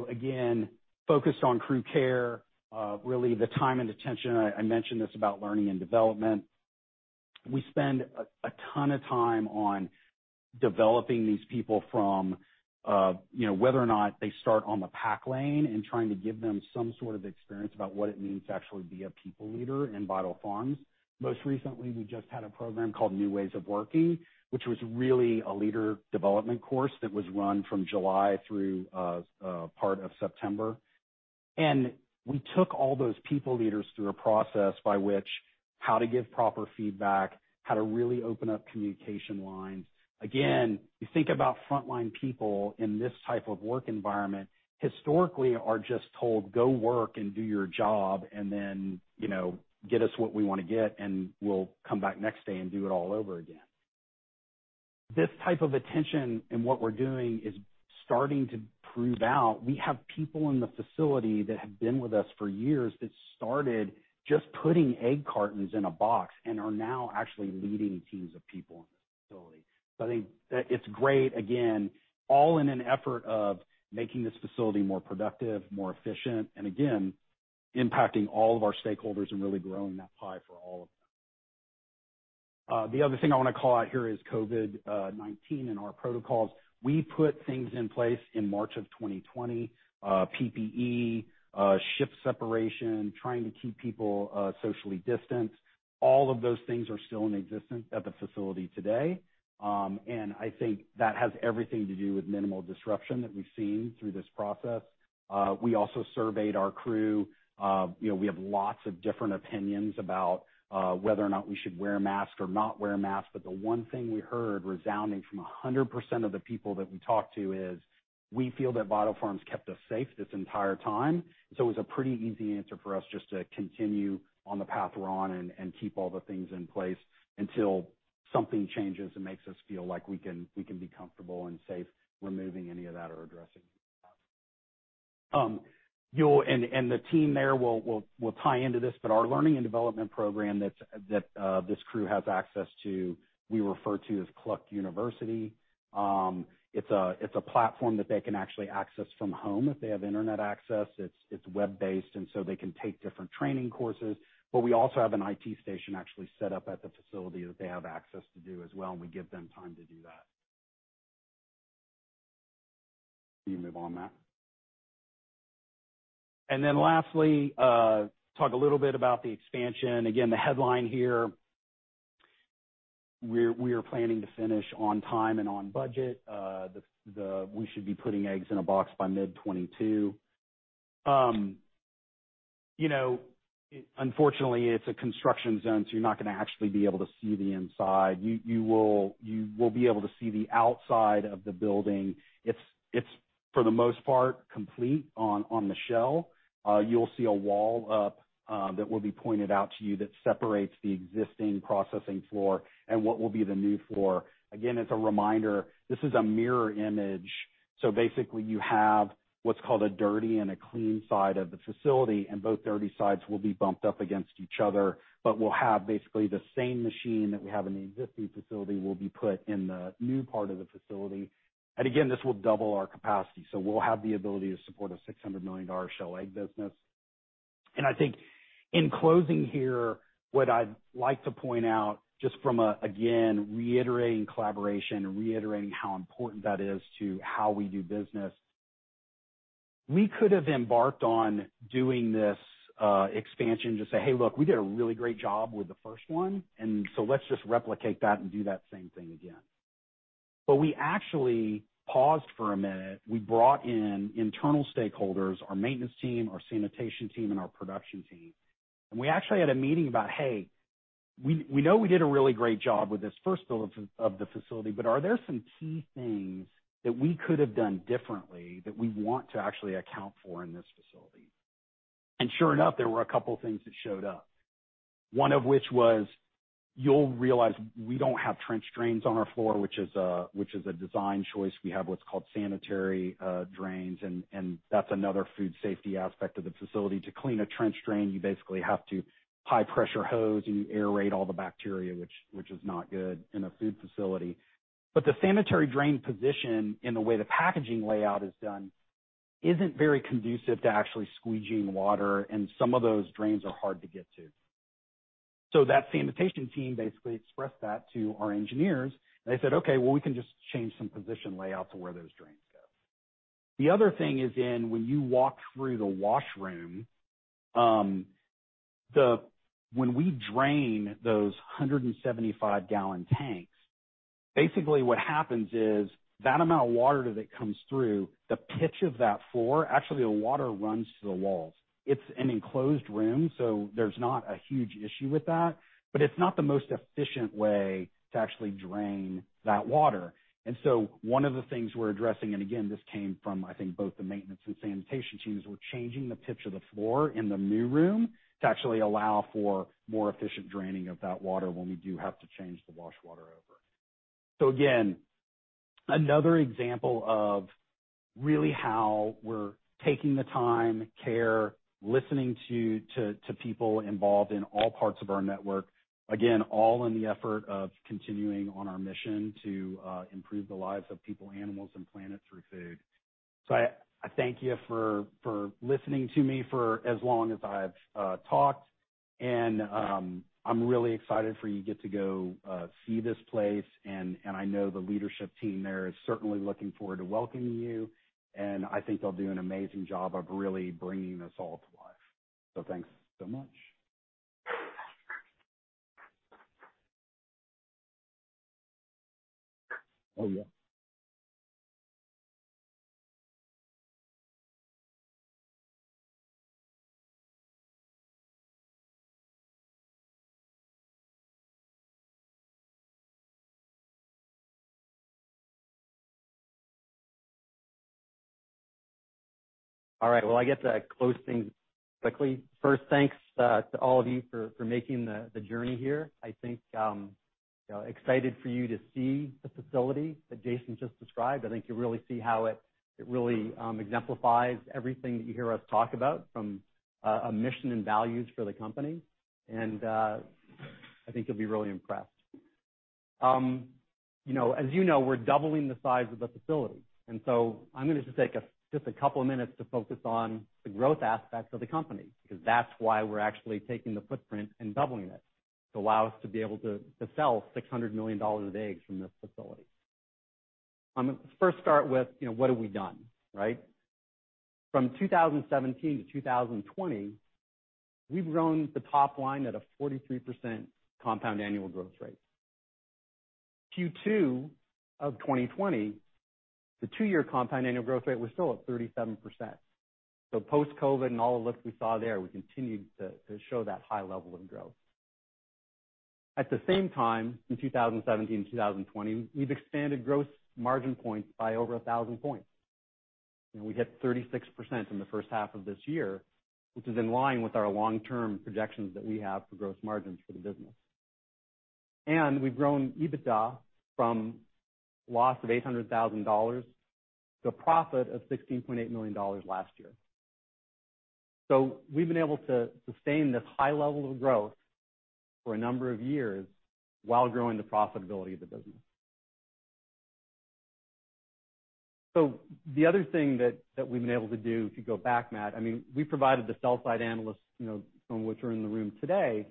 Again, focused on crew care, really the time and attention, I mentioned this about learning and development. We spend a ton of time on developing these people from whether or not they start on the pack lane and trying to give them some sort of experience about what it means to actually be a people leader in Vital Farms. Most recently, we just had a program called New Ways of Working, which was really a leader development course that was run from July through part of September. We took all those people leaders through a process by which. How to give proper feedback, how to really open up communication lines. You think about frontline people in this type of work environment, historically are just told, "Go work and do your job, and then get us what we want to get, and we'll come back next day and do it all over again." This type of attention in what we're doing is starting to prove out. We have people in the facility that have been with us for years that started just putting egg cartons in a box and are now actually leading teams of people in the facility. I think that it's great, again, all in an effort of making this facility more productive, more efficient, and again, impacting all of our stakeholders and really growing that pie for all of them. The other thing I want to call out here is COVID-19 and our protocols. We put things in place in March of 2020. PPE, shift separation, trying to keep people socially distanced. All of those things are still in existence at the facility today. I think that has everything to do with minimal disruption that we've seen through this process. We also surveyed our crew. We have lots of different opinions about whether or not we should wear a mask or not wear a mask, but the one thing we heard resounding from 100% of the people that we talked to is, "We feel that Vital Farms kept us safe this entire time." It was a pretty easy answer for us just to continue on the path we're on and keep all the things in place until something changes and makes us feel like we can be comfortable and safe removing any of that or addressing that. The team there, we'll tie into this, our learning and development program that this crew has access to, we refer to as Cluck University. It's a platform that they can actually access from home if they have internet access. It's web-based, they can take different training courses. We also have an IT station actually set up at the facility that they have access to do as well, we give them time to do that. Can you move on, Matt? Lastly, talk a little bit about the expansion. Again, the headline here, we're planning to finish on time and on budget. We should be putting eggs in a box by mid-2022. Unfortunately, it's a construction zone, you're not going to actually be able to see the inside. You will be able to see the outside of the building. It's, for the most part, complete on the shell. You'll see a wall up that will be pointed out to you that separates the existing processing floor and what will be the new floor. Again, as a reminder, this is a mirror image, so basically you have what's called a dirty and a clean side of the facility, and both dirty sides will be bumped up against each other. We'll have basically the same machine that we have in the existing facility will be put in the new part of the facility. Again, this will double our capacity. We'll have the ability to support a $600 million shell egg business. I think in closing here, what I'd like to point out, just from, again, reiterating collaboration, reiterating how important that is to how we do business. We could have embarked on doing this expansion, just say, Hey, look, we did a really great job with the first one, and so let's just replicate that and do that same thing again. We actually paused for a minute. We brought in internal stakeholders, our maintenance team, our sanitation team, and our production team. We actually had a meeting about, hey, we know we did a really great job with this first build of the facility, but are there some key things that we could have done differently that we want to actually account for in this facility? Sure enough, there were a couple things that showed up. One of which was, you'll realize we don't have trench drains on our floor, which is a design choice. We have what's called sanitary drains, and that's another food safety aspect of the facility. To clean a trench drain, you basically have to high pressure hose, and you aerate all the bacteria, which is not good in a food facility. The sanitary drain position and the way the packaging layout is done isn't very conducive to actually squeegeeing water, and some of those drains are hard to get to. That sanitation team basically expressed that to our engineers, and they said, "Okay, well, we can just change some position layout to where those drains go." The other thing is in when you walk through the washroom, when we drain those 175-gal tanks, basically what happens is that amount of water that comes through, the pitch of that floor, actually, the water runs to the walls. It's an enclosed room, so there's not a huge issue with that. It's not the most efficient way to actually drain that water. One of the things we're addressing, and again, this came from, I think, both the maintenance and sanitation teams, we're changing the pitch of the floor in the new room to actually allow for more efficient draining of that water when we do have to change the wash water over. Again, another example of really how we're taking the time, care, listening to people involved in all parts of our network. Again, all in the effort of continuing on our mission to improve the lives of people, animals, and planet through food. I thank you for listening to me for as long as I've talked. I'm really excited for you get to go see this place. I know the leadership team there is certainly looking forward to welcoming you. I think they'll do an amazing job of really bringing this all to life. Thanks so much. Oh, yeah. All right. Well, I get to close things quickly. First, thanks to all of you for making the journey here. I think, excited for you to see the facility that Jason just described. I think you'll really see how it really exemplifies everything that you hear us talk about from a mission and values for the company. I think you'll be really impressed. As you know, we're doubling the size of the facility. I'm going to just take just a couple of minutes to focus on the growth aspects of the company, because that's why we're actually taking the footprint and doubling it to allow us to be able to sell $600 million of eggs from this facility. I'm going to first start with what have we done, right? From 2017-2020, we've grown the top line at a 43% compound annual growth rate. Q2 of 2020, the two-year compound annual growth rate was still at 37%. Post-COVID and all the lifts we saw there, we continued to show that high level of growth. At the same time, in 2017, 2020, we've expanded gross margin points by over 1,000 points. We hit 36% in the first half of this year, which is in line with our long-term projections that we have for gross margins for the business. We've grown EBITDA from a loss of $800,000 to a profit of $16.8 million last year. We've been able to sustain this high level of growth for a number of years while growing the profitability of the business. The other thing that we've been able to do, if you go back, Matt, we provided the sell side analysts, some of which are in the room today,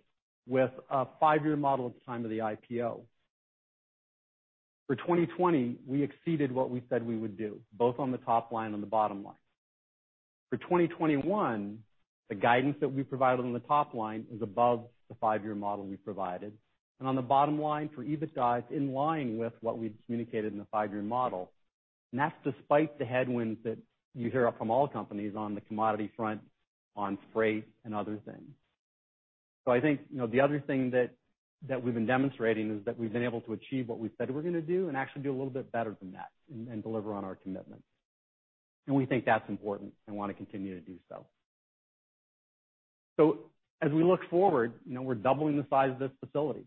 with a five-year model at the time of the IPO. For 2020, we exceeded what we said we would do, both on the top line and the bottom line. For 2021, the guidance that we provided on the top line is above the five-year model we provided. On the bottom line for EBITDA, it's in line with what we've communicated in the five-year model. That's despite the headwinds that you hear from all companies on the commodity front, on freight, and other things. I think, the other thing that we've been demonstrating is that we've been able to achieve what we said we were going to do and actually do a little bit better than that and deliver on our commitments. We think that's important and want to continue to do so. As we look forward, we're doubling the size of this facility.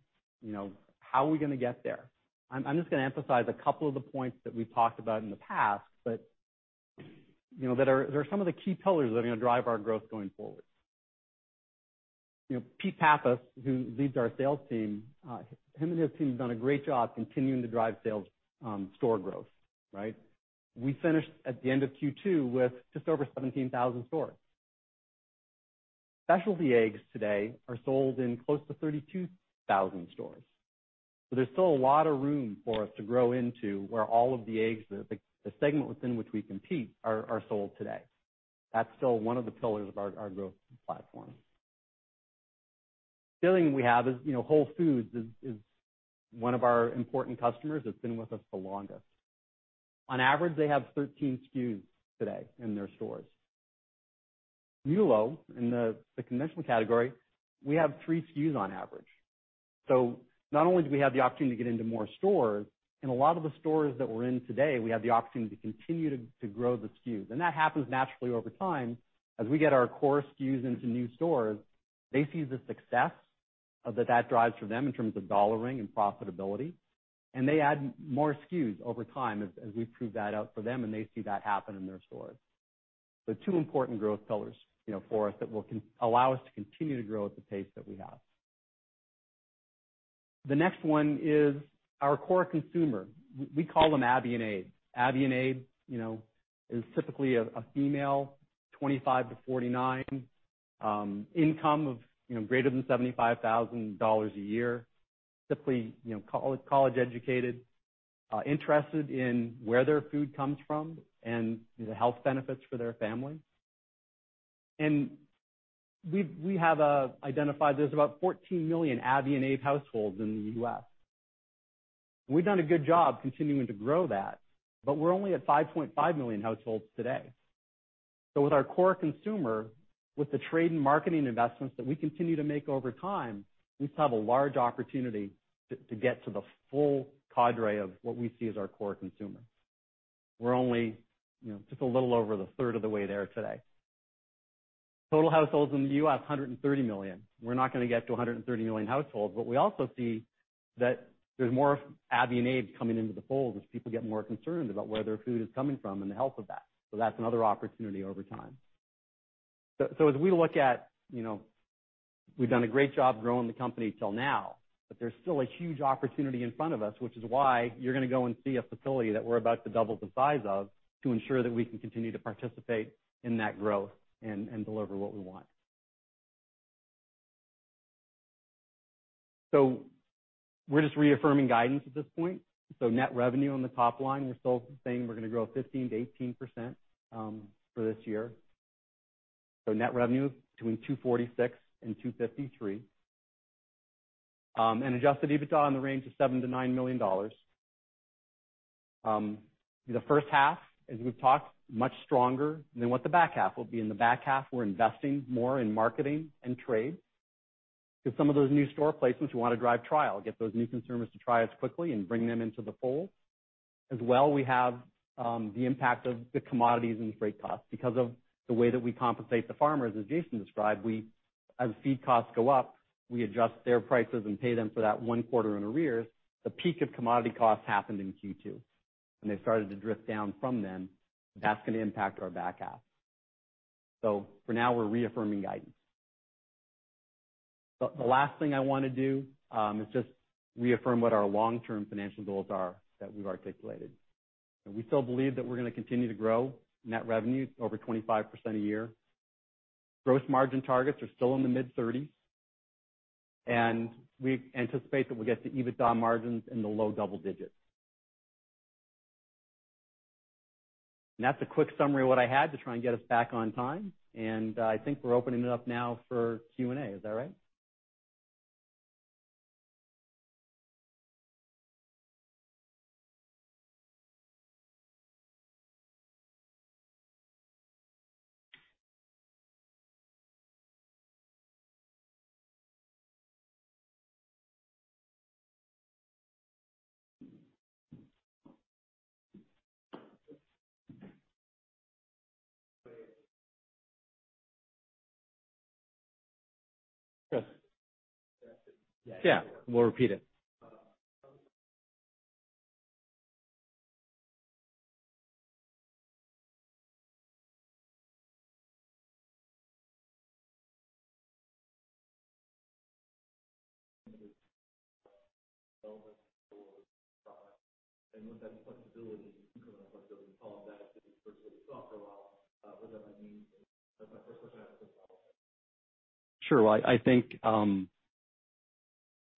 How are we going to get there? I'm just going to emphasize a couple of the points that we've talked about in the past, but that are some of the key pillars that are going to drive our growth going forward. Peter Pappas, who leads our sales team, him and his team have done a great job continuing to drive sales store growth, right? We finished at the end of Q2 with just over 17,000 stores. Specialty eggs today are sold in close to 32,000 stores. There's still a lot of room for us to grow into where all of the eggs, the segment within which we compete, are sold today. That's still one of the pillars of our growth platform. Feeling we have is Whole Foods is one of our important customers that's been with us the longest. On average, they have 13 SKUs today in their stores. Newlo, in the conventional category, we have three SKUs on average. Not only do we have the opportunity to get into more stores, in a lot of the stores that we're in today, we have the opportunity to continue to grow the SKUs. That happens naturally over time as we get our core SKUs into new stores, they see the success that that drives for them in terms of dollaring and profitability, and they add more SKUs over time as we prove that out for them and they see that happen in their stores. Two important growth pillars for us that will allow us to continue to grow at the pace that we have. The next one is our core consumer. We call them Abby and Abe. Abby and Abe is typically a female, 25-49, income of greater than $75,000 a year, typically college-educated, interested in where their food comes from and the health benefits for their family. We have identified there's about 14 million Abby and Abe households in the U.S. We've done a good job continuing to grow that, but we're only at 5.5 million households today. With our core consumer, with the trade and marketing investments that we continue to make over time, we still have a large opportunity to get to the full cadre of what we see as our core consumer. We're only just a little over a third of the way there today. Total households in the U.S., 130 million. We're not going to get to 130 million households, but we also see that there's more Abby and Abes coming into the fold as people get more concerned about where their food is coming from and the health of that. That's another opportunity over time. As we look at, we've done a great job growing the company till now, but there's still a huge opportunity in front of us, which is why you're going to go and see a facility that we're about to double the size of to ensure that we can continue to participate in that growth and deliver what we want. We're just reaffirming guidance at this point. Net revenue on the top line, we're still saying we're going to grow 15%-18% for this year. Net revenue between $246 million and $253 million. Adjusted EBITDA in the range of $7 million-$9 million. The first half, as we've talked, much stronger than what the back half will be. In the back half, we're investing more in marketing and trade because some of those new store placements, we want to drive trial, get those new consumers to try us quickly and bring them into the fold. We have the impact of the commodities and the freight costs. Because of the way that we compensate the farmers, as Jason described, as feed costs go up, we adjust their prices and pay them for that one quarter in arrears. The peak of commodity costs happened in Q2, they've started to drift down from then. That's going to impact our back half. For now, we're reaffirming guidance. The last thing I want to do is just reaffirm what our long-term financial goals are that we've articulated. We still believe that we're going to continue to grow net revenue over 25% a year. Gross margin targets are still in the mid-30s, and we anticipate that we'll get to EBITDA margins in the low double digits. That's a quick summary of what I had to try and get us back on time. I think we're opening it up now for Q&A. Is that right? Sure. Yeah. We'll repeat it. Sure. Well, I think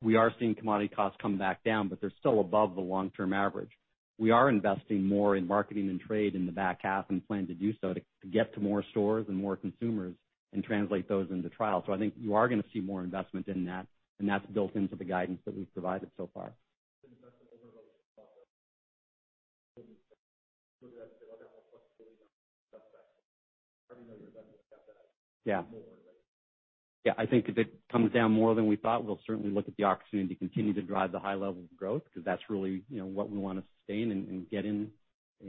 we are seeing commodity costs come back down, but they're still above the long-term average. We are investing more in marketing and trade in the back half and plan to do so to get to more stores and more consumers and translate those into trial. I think you are going to see more investment in that, and that's built into the guidance that we've provided so far. Yeah. I think if it comes down more than we thought, we'll certainly look at the opportunity to continue to drive the high level of growth because that's really what we want to sustain and get in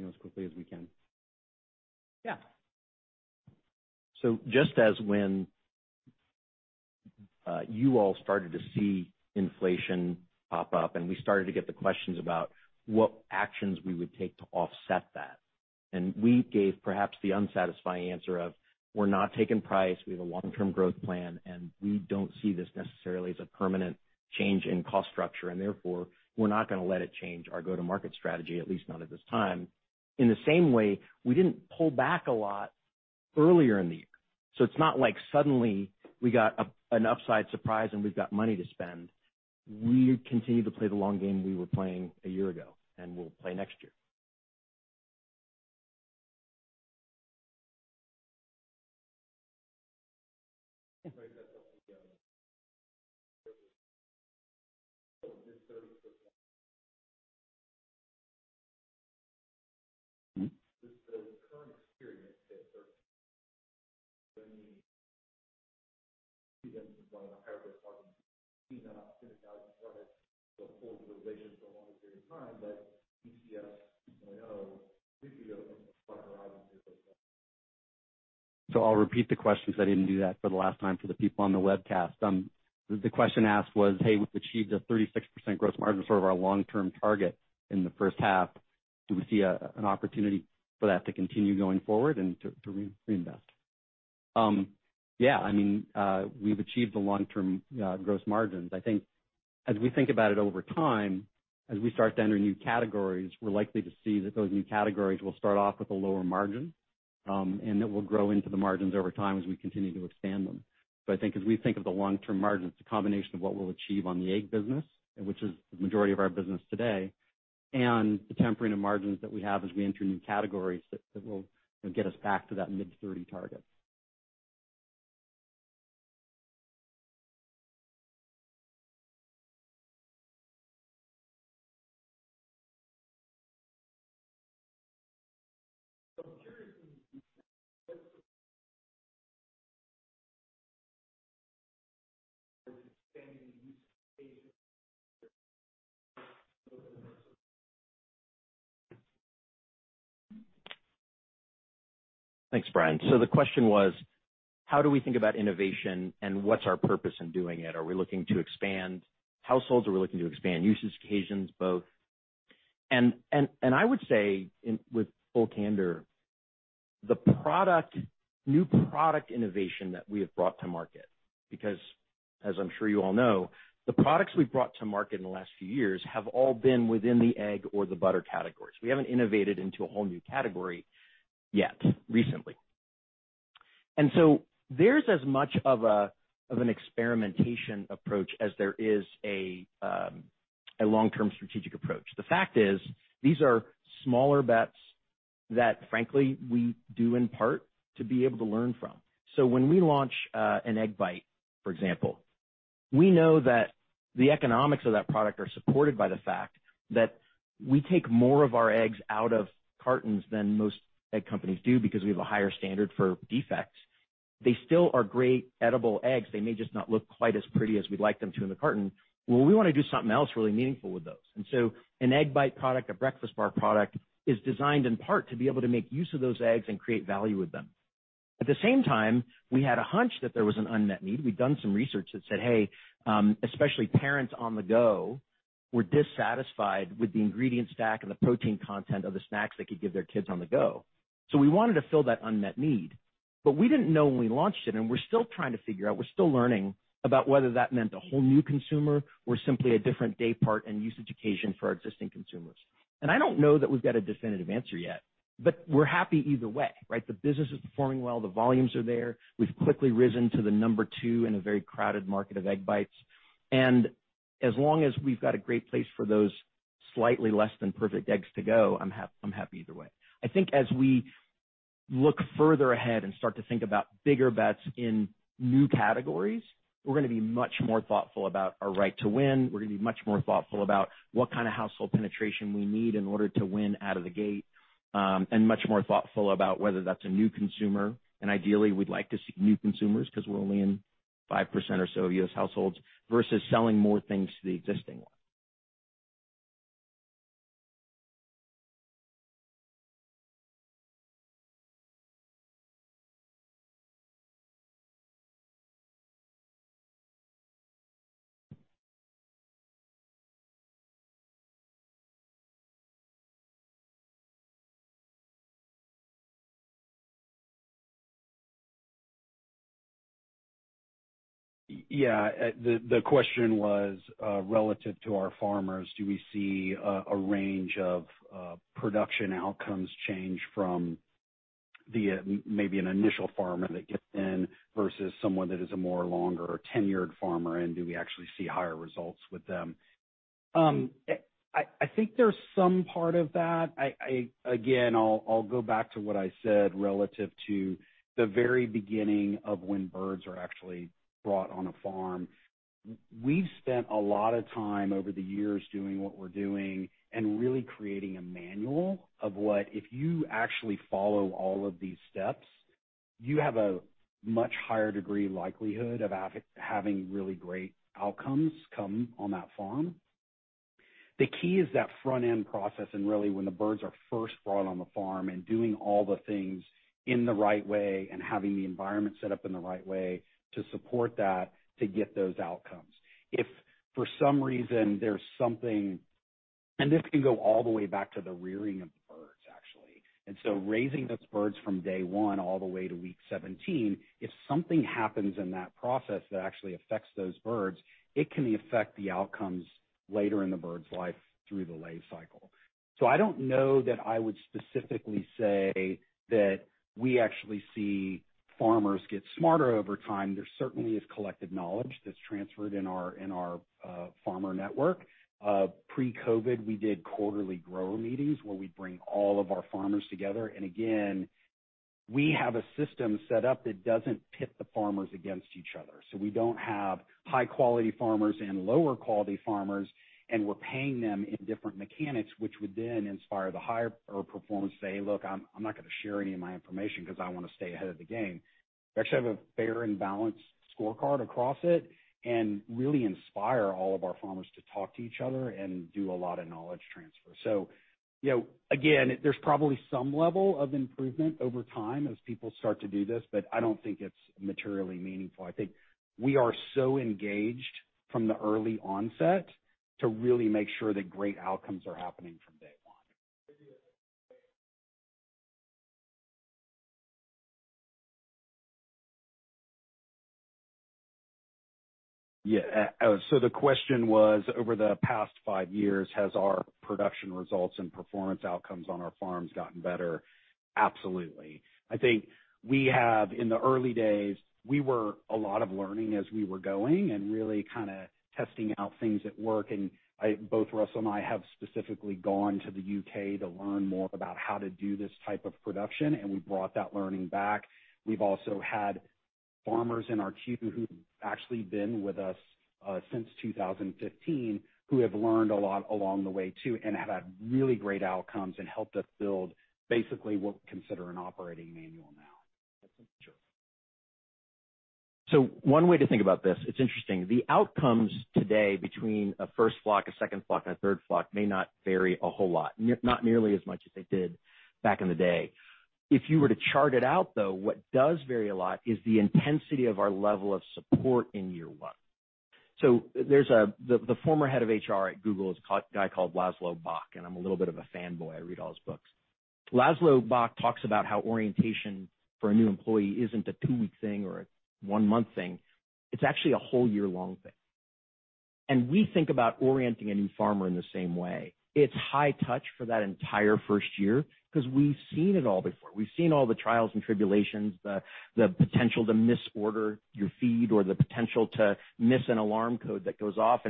as quickly as we can. Yeah. Just as when you all started to see inflation pop up and we started to get the questions about what actions we would take to offset that, and we gave perhaps the unsatisfying answer of we're not taking price, we have a long-term growth plan, and we don't see this necessarily as a permanent change in cost structure, and therefore we're not going to let it change our go-to-market strategy, at least not at this time. In the same way, we didn't pull back a lot earlier in the year, so it's not like suddenly we got an upside surprise and we've got money to spend. We continue to play the long game we were playing a year ago, and we'll play next year. I'll repeat the question because I didn't do that for the last time for the people on the webcast. The question asked was: Hey, we've achieved a 36% gross margin, sort of our long-term target in the first half. Do we see an opportunity for that to continue going forward and to reinvest? Yeah. We've achieved the long-term gross margins. I think as we think about it over time, as we start to enter new categories, we're likely to see that those new categories will start off with a lower margin, and it will grow into the margins over time as we continue to expand them. I think as we think of the long-term margins, it's a combination of what we'll achieve on the egg business, which is the majority of our business today, and the tempering of margins that we have as we enter new categories that will get us back to that mid-30 target. Thanks, Brian. The question was, how do we think about innovation and what's our purpose in doing it? Are we looking to expand households? Are we looking to expand usage occasions? Both. I would say with full candor, the new product innovation that we have brought to market, because as I'm sure you all know, the products we've brought to market in the last few years have all been within the egg or the butter categories. We haven't innovated into a whole new category yet, recently. There's as much of an experimentation approach as there is a long-term strategic approach. The fact is, these are smaller bets. That frankly, we do in part to be able to learn from. When we launch an Egg Bites, for example, we know that the economics of that product are supported by the fact that we take more of our eggs out of cartons than most egg companies do because we have a higher standard for defects. They still are great edible eggs. They may just not look quite as pretty as we'd like them to in the carton. We want to do something else really meaningful with those. An Egg Bites product, a breakfast bar product, is designed in part to be able to make use of those eggs and create value with them. At the same time, we had a hunch that there was an unmet need. We'd done some research that said, hey, especially parents on the go were dissatisfied with the ingredient stack and the protein content of the snacks they could give their kids on the go. We wanted to fill that unmet need, but we didn't know when we launched it, and we're still trying to figure out, we're still learning about whether that meant a whole new consumer or simply a different daypart and usage occasion for our existing consumers. I don't know that we've got a definitive answer yet, but we're happy either way, right? The business is performing well, the volumes are there. We've quickly risen to the number two in a very crowded market of Egg Bites. As long as we've got a great place for those slightly less than perfect eggs to go, I'm happy either way. I think as we look further ahead and start to think about bigger bets in new categories, we're gonna be much more thoughtful about our right to win. We're gonna be much more thoughtful about what kind of household penetration we need in order to win out of the gate, and much more thoughtful about whether that's a new consumer. Ideally, we'd like to see new consumers because we're only in 5% or so of U.S. households versus selling more things to the existing one. Yeah. The question was, relative to our farmers, do we see a range of production outcomes change from maybe an initial farmer that gets in versus someone that is a more longer tenured farmer, and do we actually see higher results with them? I think there's some part of that. Again, I'll go back to what I said relative to the very beginning of when birds are actually brought on a farm. We've spent a lot of time over the years doing what we're doing and really creating a manual of what, if you actually follow all of these steps, you have a much higher degree likelihood of having really great outcomes come on that farm. The key is that front-end process and really when the birds are first brought on the farm and doing all the things in the right way and having the environment set up in the right way to support that, to get those outcomes. If for some reason there's something. This can go all the way back to the rearing of the birds, actually. Raising those birds from day one all the way to week 17, if something happens in that process that actually affects those birds, it can affect the outcomes later in the bird's life through the lay cycle. I don't know that I would specifically say that we actually see farmers get smarter over time. There certainly is collective knowledge that's transferred in our farmer network. Pre-COVID, we did quarterly grower meetings where we'd bring all of our farmers together. Again, we have a system set up that doesn't pit the farmers against each other. We don't have high-quality farmers and lower-quality farmers, and we're paying them in different mechanics, which would then inspire the higher performer to say, "Look, I'm not gonna share any of my information because I want to stay ahead of the game." We actually have a fair and balanced scorecard across it and really inspire all of our farmers to talk to each other and do a lot of knowledge transfer. Again, there's probably some level of improvement over time as people start to do this, but I don't think it's materially meaningful. I think we are so engaged from the early onset to really make sure that great outcomes are happening from day one. Yeah. The question was, over the past five years, has our production results and performance outcomes on our farms gotten better? Absolutely. I think we have, in the early days, we were a lot of learning as we were going and really kind of testing out things at work. Both Russell and I have specifically gone to the U.K. to learn more about how to do this type of production, and we brought that learning back. We've also had farmers in our queue who've actually been with us since 2015 who have learned a lot along the way too and have had really great outcomes and helped us build basically what we consider an operating manual now. One way to think about this, it's interesting. The outcomes today between a first flock, a second flock, and a third flock may not vary a whole lot, not nearly as much as they did back in the day. If you were to chart it out, though, what does vary a lot is the intensity of our level of support in year one. The former head of HR at Google is a guy called Laszlo Bock, and I'm a little bit of a fanboy. I read all his books. Laszlo Bock talks about how orientation for a new employee isn't a two-week thing or a one-month thing. It's actually a whole year-long thing. We think about orienting a new farmer in the same way. It's high touch for that entire first year because we've seen it all before. We've seen all the trials and tribulations, the potential to misorder your feed or the potential to miss an alarm code that goes off.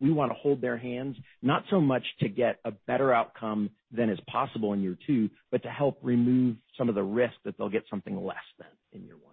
We want to hold their hands, not so much to get a better outcome than is possible in year two, but to help remove some of the risk that they'll get something less than in year one.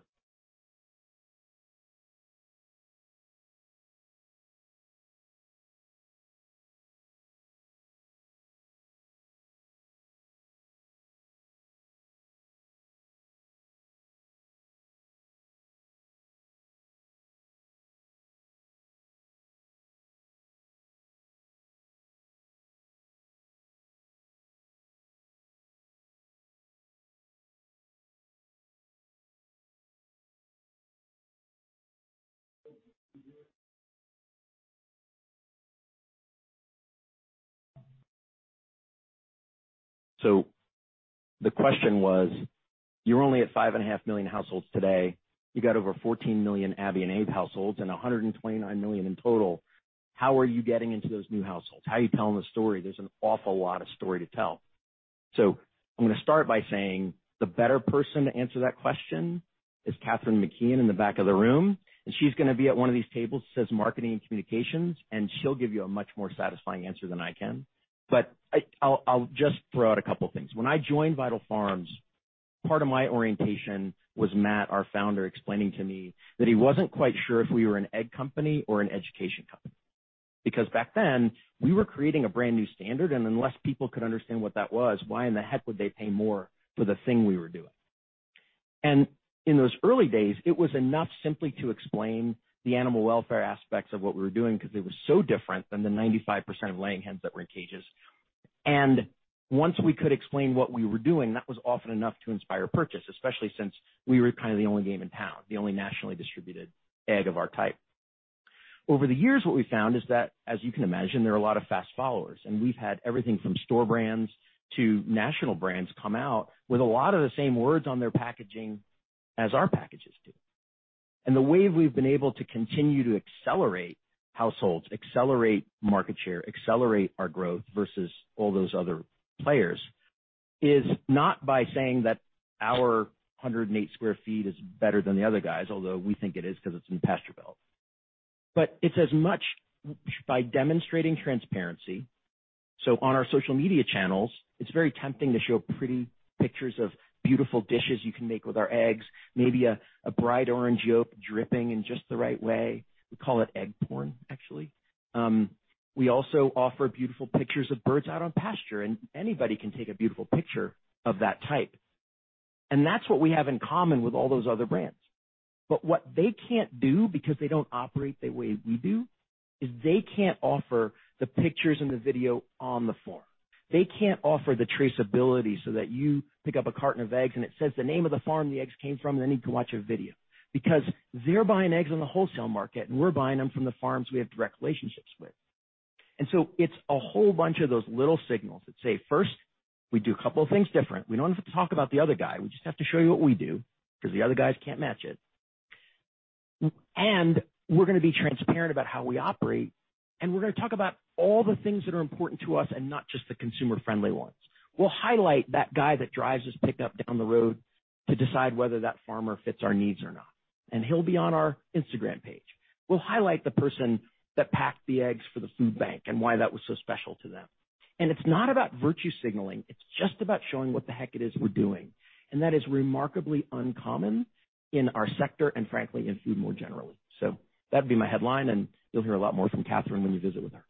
The question was, you're only at 5.5 million households today. You got over 14 million Abby and Abe households and 129 million in total. How are you getting into those new households? How are you telling the story? There's an awful lot of story to tell. I'm going to start by saying the better person to answer that question is Kathryn McKeon in the back of the room, and she's going to be at one of these tables that says Marketing and Communications, and she'll give you a much more satisfying answer than I can. I'll just throw out a couple things. When I joined Vital Farms, part of my orientation was Matt, our founder, explaining to me that he wasn't quite sure if we were an egg company or an education company, because back then, we were creating a brand new standard, and unless people could understand what that was, why in the heck would they pay more for the thing we were doing? In those early days, it was enough simply to explain the animal welfare aspects of what we were doing because it was so different than the 95% of laying hens that were in cages. Once we could explain what we were doing, that was often enough to inspire purchase, especially since we were kind of the only game in town, the only nationally distributed egg of our type. Over the years, what we've found is that, as you can imagine, there are a lot of fast followers, we've had everything from store brands to national brands come out with a lot of the same words on their packaging as our packages do. The way we've been able to continue to accelerate households, accelerate market share, accelerate our growth versus all those other players, is not by saying that our 108 sq ft is better than the other guys, although we think it is because it's in Pasture Belt. It's as much by demonstrating transparency. On our social media channels, it's very tempting to show pretty pictures of beautiful dishes you can make with our eggs, maybe a bright orange yolk dripping in just the right way. We call it egg porn, actually. We also offer beautiful pictures of birds out on pasture, and anybody can take a beautiful picture of that type. That's what we have in common with all those other brands. What they can't do, because they don't operate the way we do, is they can't offer the pictures and the video on the farm. They can't offer the traceability so that you pick up a carton of eggs and it says the name of the farm the eggs came from, and then you can watch a video. Because they're buying eggs on the wholesale market, and we're buying them from the farms we have direct relationships with. It's a whole bunch of those little signals that say, first, we do a couple things different. We don't have to talk about the other guy. We just have to show you what we do, because the other guys can't match it. We're going to be transparent about how we operate, and we're going to talk about all the things that are important to us and not just the consumer-friendly ones. We'll highlight that guy that drives his pickup down the road to decide whether that farmer fits our needs or not. He'll be on our Instagram page. We'll highlight the person that packed the eggs for the food bank and why that was so special to them. It's not about virtue signaling. It's just about showing what the heck it is we're doing. That is remarkably uncommon in our sector and frankly, in food more generally. That'd be my headline, and you'll hear a lot more from Kathryn when you visit with her.